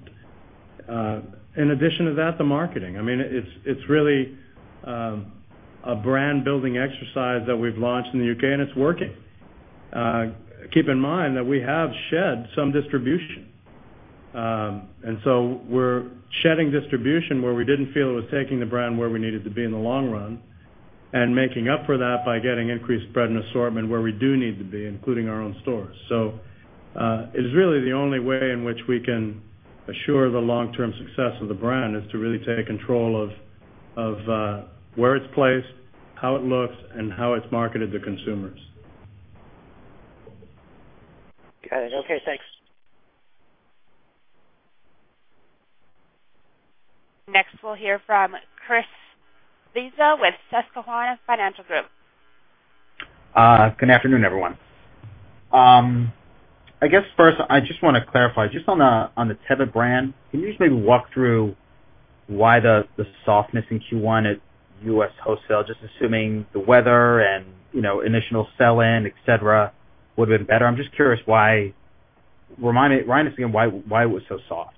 In addition to that, the marketing. I mean, it's really a brand-building exercise that we've launched in the U.K. and it's working. Keep in mind that we have shed some distribution. We're shedding distribution where we didn't feel it was taking the brand where we needed to be in the long-run and making up for that by getting increased spread and assortment where we do need to be, including our own stores. It is really the only way in which we can assure the long-term success of the brand is to really take control of where it's placed, how it looks, and how it's marketed to consumers. Got it. Okay, thanks. Next, we'll hear from Chris Svezia with Susquehanna Financial Group. Good afternoon, everyone. I guess first, I just want to clarify just on the Teva brand. Can you just maybe walk through why the softness in Q1 at U.S. wholesale, just assuming the weather and, you know, initial sell-in, etc., would have been better? I'm just curious why, remind us again why it was so soft.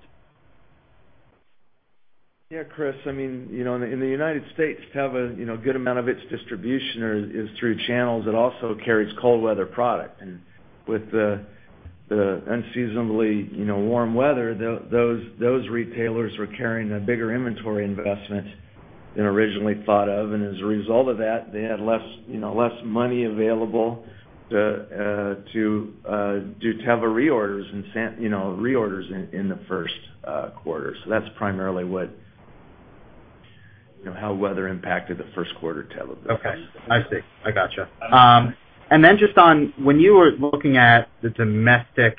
Yeah, Chris, I mean, you know, in the United States, Teva, you know, a good amount of its distribution is through channels. It also carries cold weather product. With the unseasonably, you know, warm weather, those retailers were carrying a bigger inventory investment than originally thought of. As a result of that, they had less, you know, less money available to do Teva reorders and, you know, reorders in the first quarter. That's primarily what, you know, how weather impacted the first quarter Teva business. Okay. I see. I gotcha. When you were looking at the domestic,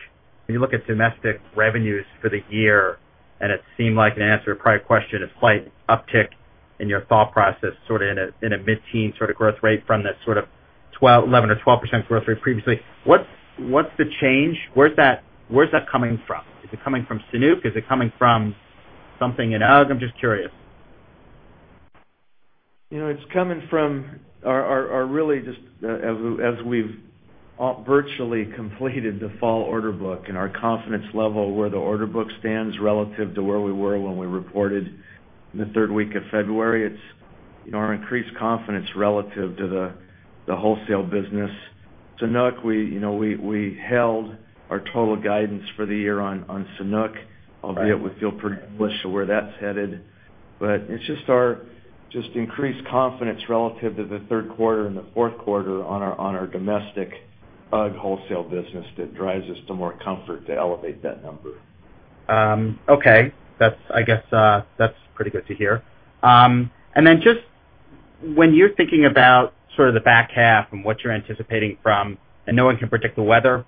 when you look at domestic revenues for the year, and it seemed like in answer to a prior question, it's quite an uptick in your thought process, sort of in a mid-teens sort of growth rate from that sort of 11% or 12% growth rate previously. What's the change? Where's that coming from? Is it coming from Sanuk? Is it coming from something in UGG? I'm just curious. You know, it's coming from our really just, as we've virtually completed the fall order book and our confidence level where the order book stands relative to where we were when we reported in the third week of February, it's, you know, our increased confidence relative to the wholesale business. Sanuk, we, you know, we held our total guidance for the year on Sanuk, albeit we feel pretty bullish to where that's headed. It's just our just increased confidence relative to the third quarter and the fourth quarter on our domestic UGG wholesale business that drives us to more comfort to elevate that number. Okay, that's pretty good to hear. When you're thinking about sort of the back half and what you're anticipating from, and no one can predict the weather,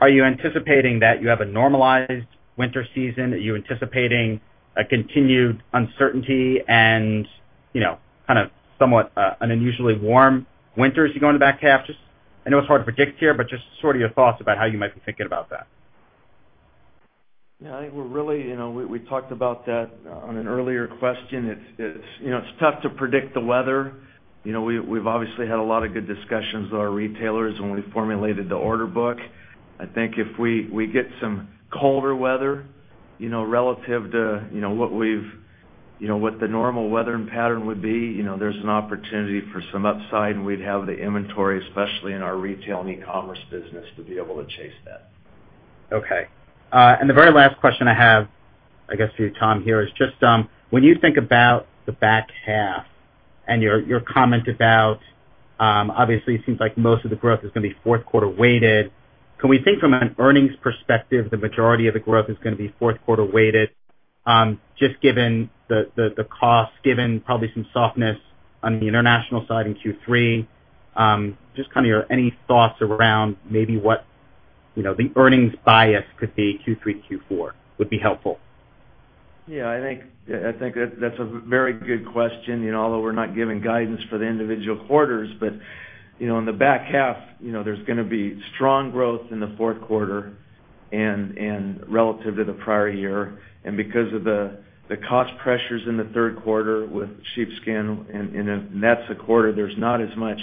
are you anticipating that you have a normalized winter season? Are you anticipating a continued uncertainty and, you know, kind of somewhat an unusually warm winter as you go into back half? I know it's hard to predict here, but just sort of your thoughts about how you might be thinking about that. Yeah, I think we're really, you know, we talked about that on an earlier question. It's tough to predict the weather. We've obviously had a lot of good discussions with our retailers when we formulated the order book. I think if we get some colder weather, relative to what the normal weather pattern would be, there's an opportunity for some upside, and we'd have the inventory, especially in our retail and e-commerce business, to be able to chase that. Okay. The very last question I have, I guess, for you, Tom, here is just when you think about the back half and your comment about, obviously, it seems like most of the growth is going to be fourth quarter weighted. Can we think from an earnings perspective the majority of the growth is going to be fourth quarter weighted, just given the cost, given probably some softness on the international side in Q3? Any thoughts around maybe what, you know, the earnings bias could be Q3, Q4 would be helpful. Yeah, I think that's a very good question. Although we're not giving guidance for the individual quarters, in the back half, there's going to be strong growth in the fourth quarter relative to the prior year. Because of the cost pressures in the third quarter with sheepskin and in a nets a quarter, there's not as much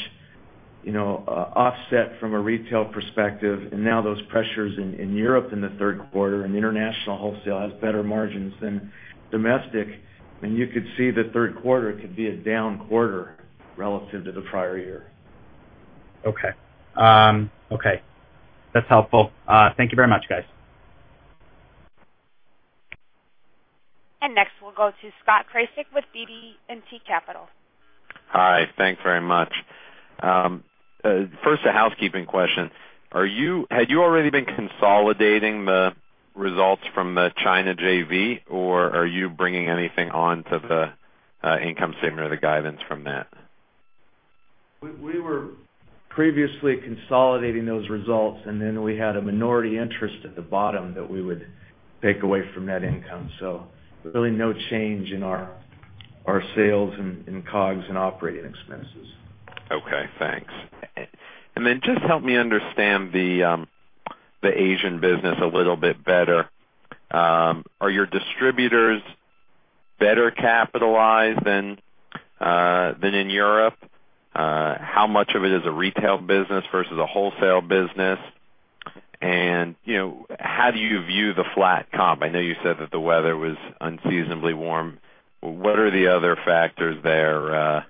offset from a retail perspective. Now, those pressures in Europe in the third quarter and international wholesale have better margins than domestic. You could see the third quarter could be a down quarter relative to the prior year. Okay. Okay. That's helpful. Thank you very much, guys. Next, we'll go to Scott Krasik with BB&T. Hi. Thanks very much. First, a housekeeping question. Are you, had you already been consolidating the results from the China JV, or are you bringing anything onto the income statement or the guidance from that? We were previously consolidating those results, and then we had a minority interest at the bottom that we would take away from that income. Really no change in our sales and COGS and operating expenses. Okay. Thanks. Just help me understand the Asian business a little bit better. Are your distributors better capitalized than in Europe? How much of it is a retail business versus a wholesale business? You know, how do you view the flat comp? I know you said that the weather was unseasonably warm. What are the other factors there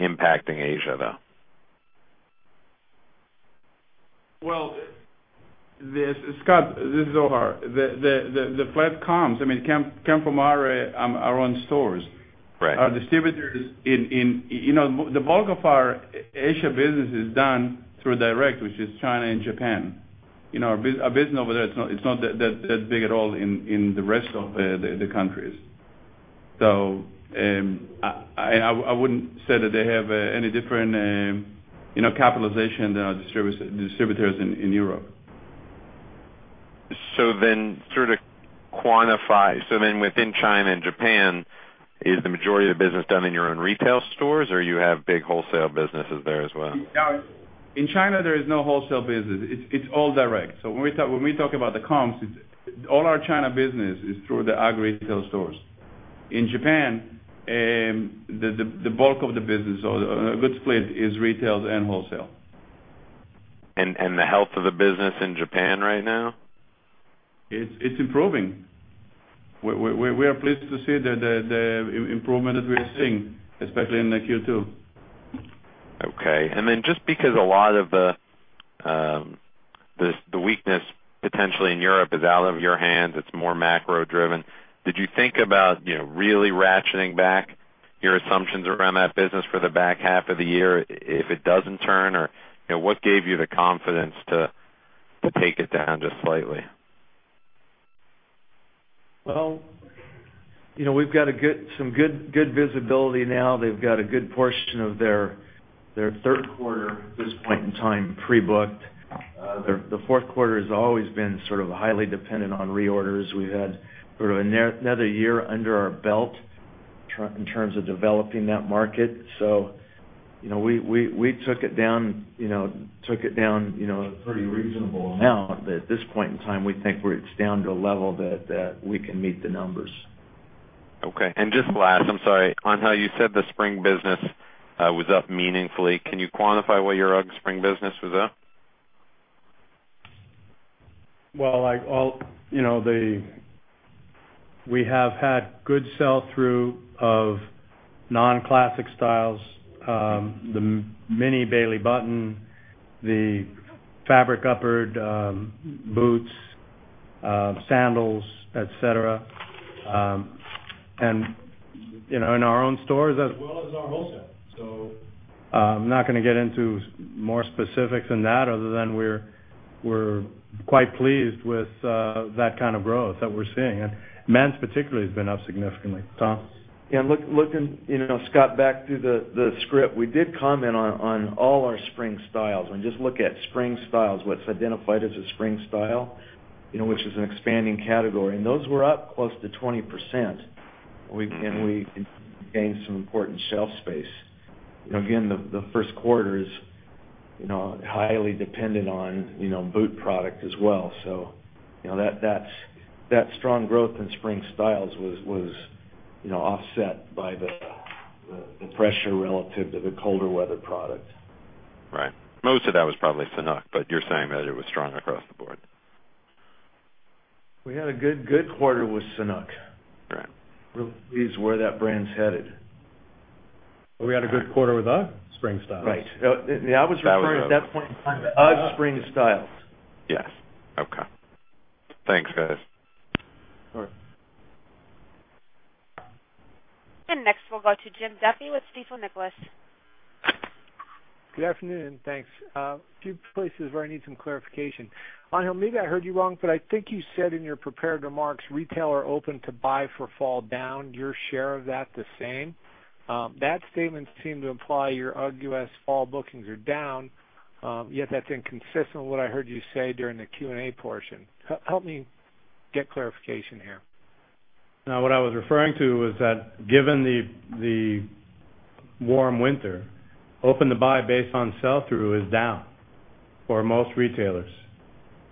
impacting Asia, though? This is Scott, this is Omar. The flat comps come from our own stores. Our distributors in, you know, the bulk of our Asia business is done through direct, which is China and Japan. Our business over there, it's not that big at all in the rest of the countries. I wouldn't say that they have any different, you know, capitalization than our distributors in Europe. Within China and Japan is the business done in your own retail stores, or do you have big wholesale businesses there as well? Now, in China, there is no wholesale business. It's all direct. When we talk about the comms, all our China business is through the AG retail stores. In Japan, the bulk of the business, or a good split, is retail and wholesale. is the health of the business in Japan right now? It's improving. We are pleased to see the improvement that we're seeing, especially in Q2. Okay. Just because a lot of the weakness potentially in Europe is out of your hands, it's more macro-driven. Did you think about really ratcheting back your assumptions around that business for the back half of the year if it doesn't turn, or what gave you the confidence to take it down just slightly? You know we've got some good visibility now. They've got a good portion of their third quarter at this point in time pre-booked. The fourth quarter has always been sort of highly dependent on reorders. We've had sort of another year under our belt in terms of developing that market. You know we took it down, you know took it down a pretty reasonable amount. At this point in time, we think it's down to a level that we can meet the numbers. Okay. Just last, I'm sorry, on how you said the spring business was up meaningfully, can you quantify what your ag spring business was up? You know we have had good sell-through of non-classic styles, the Mini Bailey Button, the fabric upper, boots, sandals, etc. You know in our own stores as well as our wholesale. I'm not going to get into more specifics than that other than we're quite pleased with that kind of growth that we're seeing. Men's particularly has been up significantly, Tom. Yeah. Looking, you know Scott, back through the script, we did comment on all our spring styles. When you just look at spring styles, what's identified as a spring style, you know which is an expanding category, and those were up close to 20%. We gained some important shelf space. The first quarter is highly dependent on boot product as well. That strong growth in spring styles was, you know, offset by the pressure relative to the colder weather product. Right. Most of that was probably Sanuk, but you're saying that it was strong across the board. We had a good quarter with Sanuk. Right. But who believes where that brand's headed? We had a good quarter with UGG spring styles. Right. I was referring at that point in time to UGG spring styles. Yes. Okay. Thanks, guys. All right. Next, we'll go to Jim Duffy with Stifel Nicolaus. Good afternoon. Thanks. A few places where I need some clarification. Angel, maybe I heard you wrong, but I think you said in your prepared remarks, "Retail are open to buy for fall down." Your share of that the same? That statement seemed to imply your U.S. fall bookings are down, yet that's inconsistent with what I heard you say during the Q&A portion. Help me get clarification here. Now, what I was referring to was that given the warm winter, open to buy based on sell-through is down for most retailers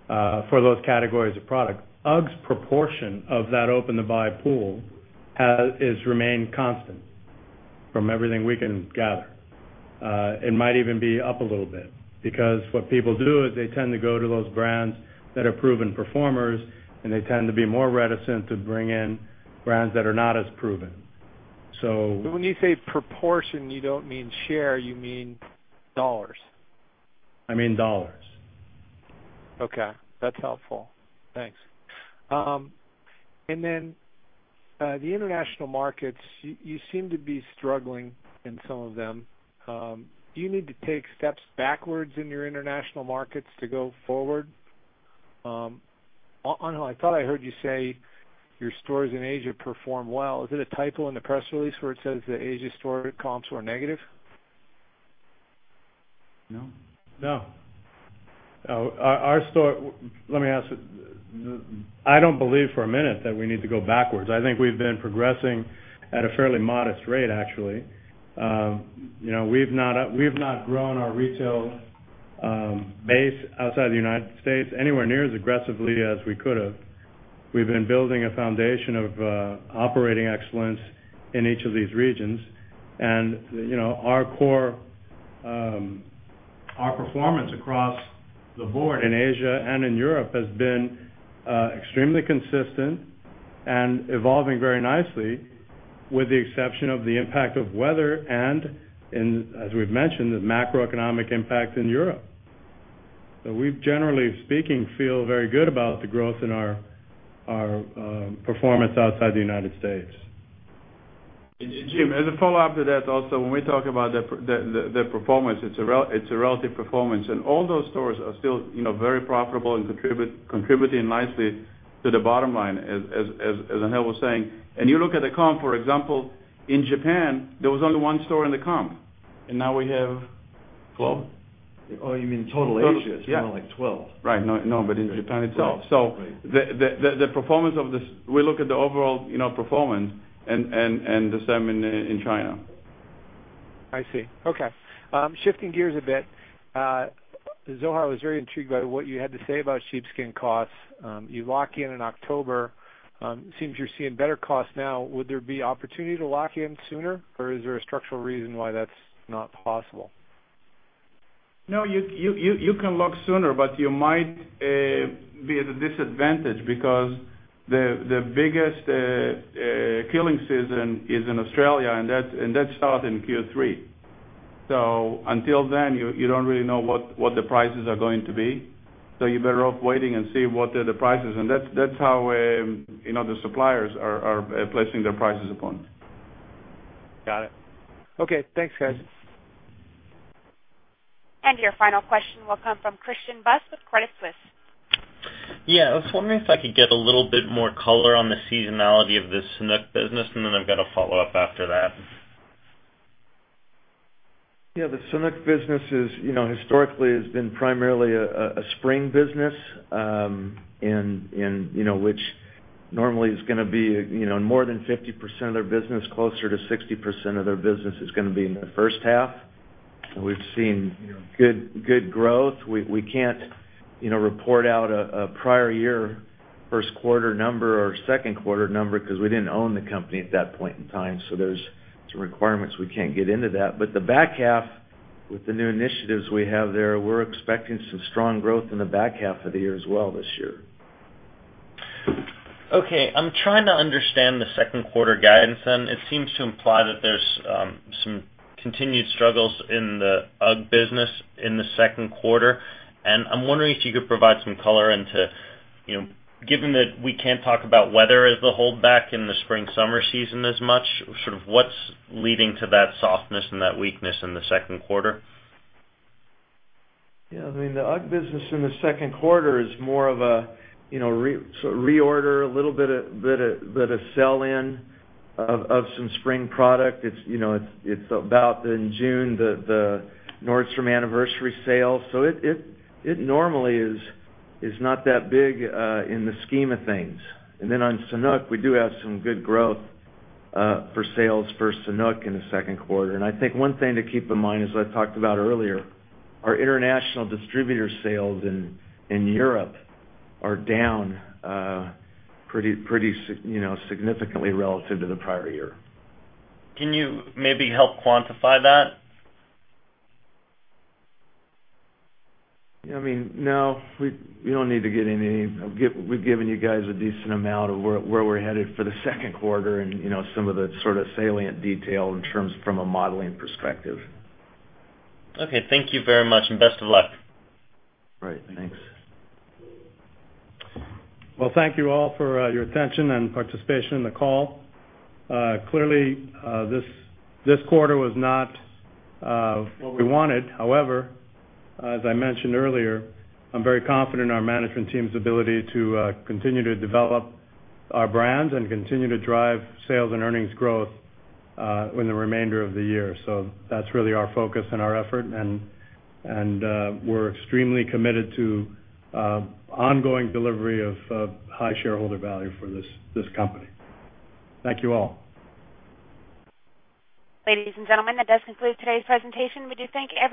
for those categories of product. UGG's proportion of that open to buy pool has remained constant from everything we can gather. It might even be up a little bit because what people do is they tend to go to those brands that are proven performers, and they tend to be more reticent to bring in brands that are not as proven. When you say proportion, you don't mean share, you mean dollars? I mean dollars. Okay. That's helpful. Thanks. Then the international markets, you seem to be struggling in some of them. Do you need to take steps backwards in your international markets to go forward? Angel, I thought I heard you say your stores in Asia perform well. Is it a typo in the press release where it says the Asia store comps were negative? No. No. Let me ask, I don't believe for a minute that we need to go backwards. I think we've been progressing at a fairly modest rate, actually. We have not grown our retail base outside the U.S. anywhere near as aggressively as we could have. We've been building a foundation of operating excellence in each of these regions. You know our core performance across the board in Asia and in Europe has been extremely consistent and evolving very nicely with the exception of the impact of weather and, as we've mentioned, the macroeconomic impact in Europe. We generally speaking feel very good about the growth in our performance outside the U.S. Jim, as a follow-up to that, also, when we talk about the performance, it's a relative performance. All those stores are still very profitable and contributing nicely to the bottom line, as Angel was saying. You look at the comp, for example, in Japan, there was only one store in the comp. Now we have. 12? Oh, you mean total ages, not like 12? Right. No, in Japan itself, the performance of this, we look at the overall performance and the same in China. I see. Okay. Shifting gears a bit, Zohar was very intrigued by what you had to say about sheepskin costs. You lock in in October. It seems you're seeing better costs now. Would there be opportunity to lock in sooner, or is there a structural reason why that's not possible? No, you can lock sooner, but you might be at a disadvantage because the biggest killing season is in Australia, and that starts in Q3. Until then, you don't really know what the prices are going to be. You're better off waiting and see what the price is. That's how the suppliers are placing their prices upon. Got it. Okay, thanks, guys. Your final question will come from Christian Buss with Credit Suisse. Yeah. I was wondering if I could get a little bit more color on the seasonality of the Sanuk business, and then I've got to follow up after that. Yeah. The Sanuk business is, you know, historically, it's been primarily a spring business, and you know, which normally is going to be, you know, in more than 50% of their business, closer to 60% of their business is going to be in their first half. We've seen, you know, good growth. We can't, you know, report out a prior year first quarter number or second quarter number because we didn't own the company at that point in time. There's some requirements we can't get into that. The back half, with the new initiatives we have there, we're expecting some strong growth in the back half of the year as well this year. Okay. I'm trying to understand the second quarter guidance, and it seems to imply that there's some continued struggles in the UGG business in the second quarter. I'm wondering if you could provide some color into, you know, given that we can't talk about weather as the holdback in the spring-summer season as much, what's leading to that softness and that weakness in the second quarter? Yeah. I mean, the ag business in the second quarter is more of a, you know, reorder, a little bit of sell-in of some spring product. It's, you know, it's about in June the Nordstrom anniversary sale. It normally is not that big in the scheme of things. On Sanuk, we do have some good growth for sales for Sanuk in the second quarter. I think one thing to keep in mind, as I talked about earlier, our international distributor sales in Europe are down pretty, you know, significantly relative to the prior year. Can you maybe help quantify that? Yeah, I mean, no, we don't need to get into anything. We've given you guys a decent amount of where we're headed for the second quarter, and, you know, some of the sort of salient detail in terms of from a modeling perspective. Okay, thank you very much and best of luck. All right, thanks. Thank you all for your attention and participation in the call. Clearly, this quarter was not what we wanted. However, as I mentioned earlier, I'm very confident in our management team's ability to continue to develop our brands and continue to drive sales and earnings growth in the remainder of the year. That's really our focus and our effort. We're extremely committed to ongoing delivery of high shareholder value for this company. Thank you all. Ladies and gentlemen, that does conclude today's presentation. We do thank you.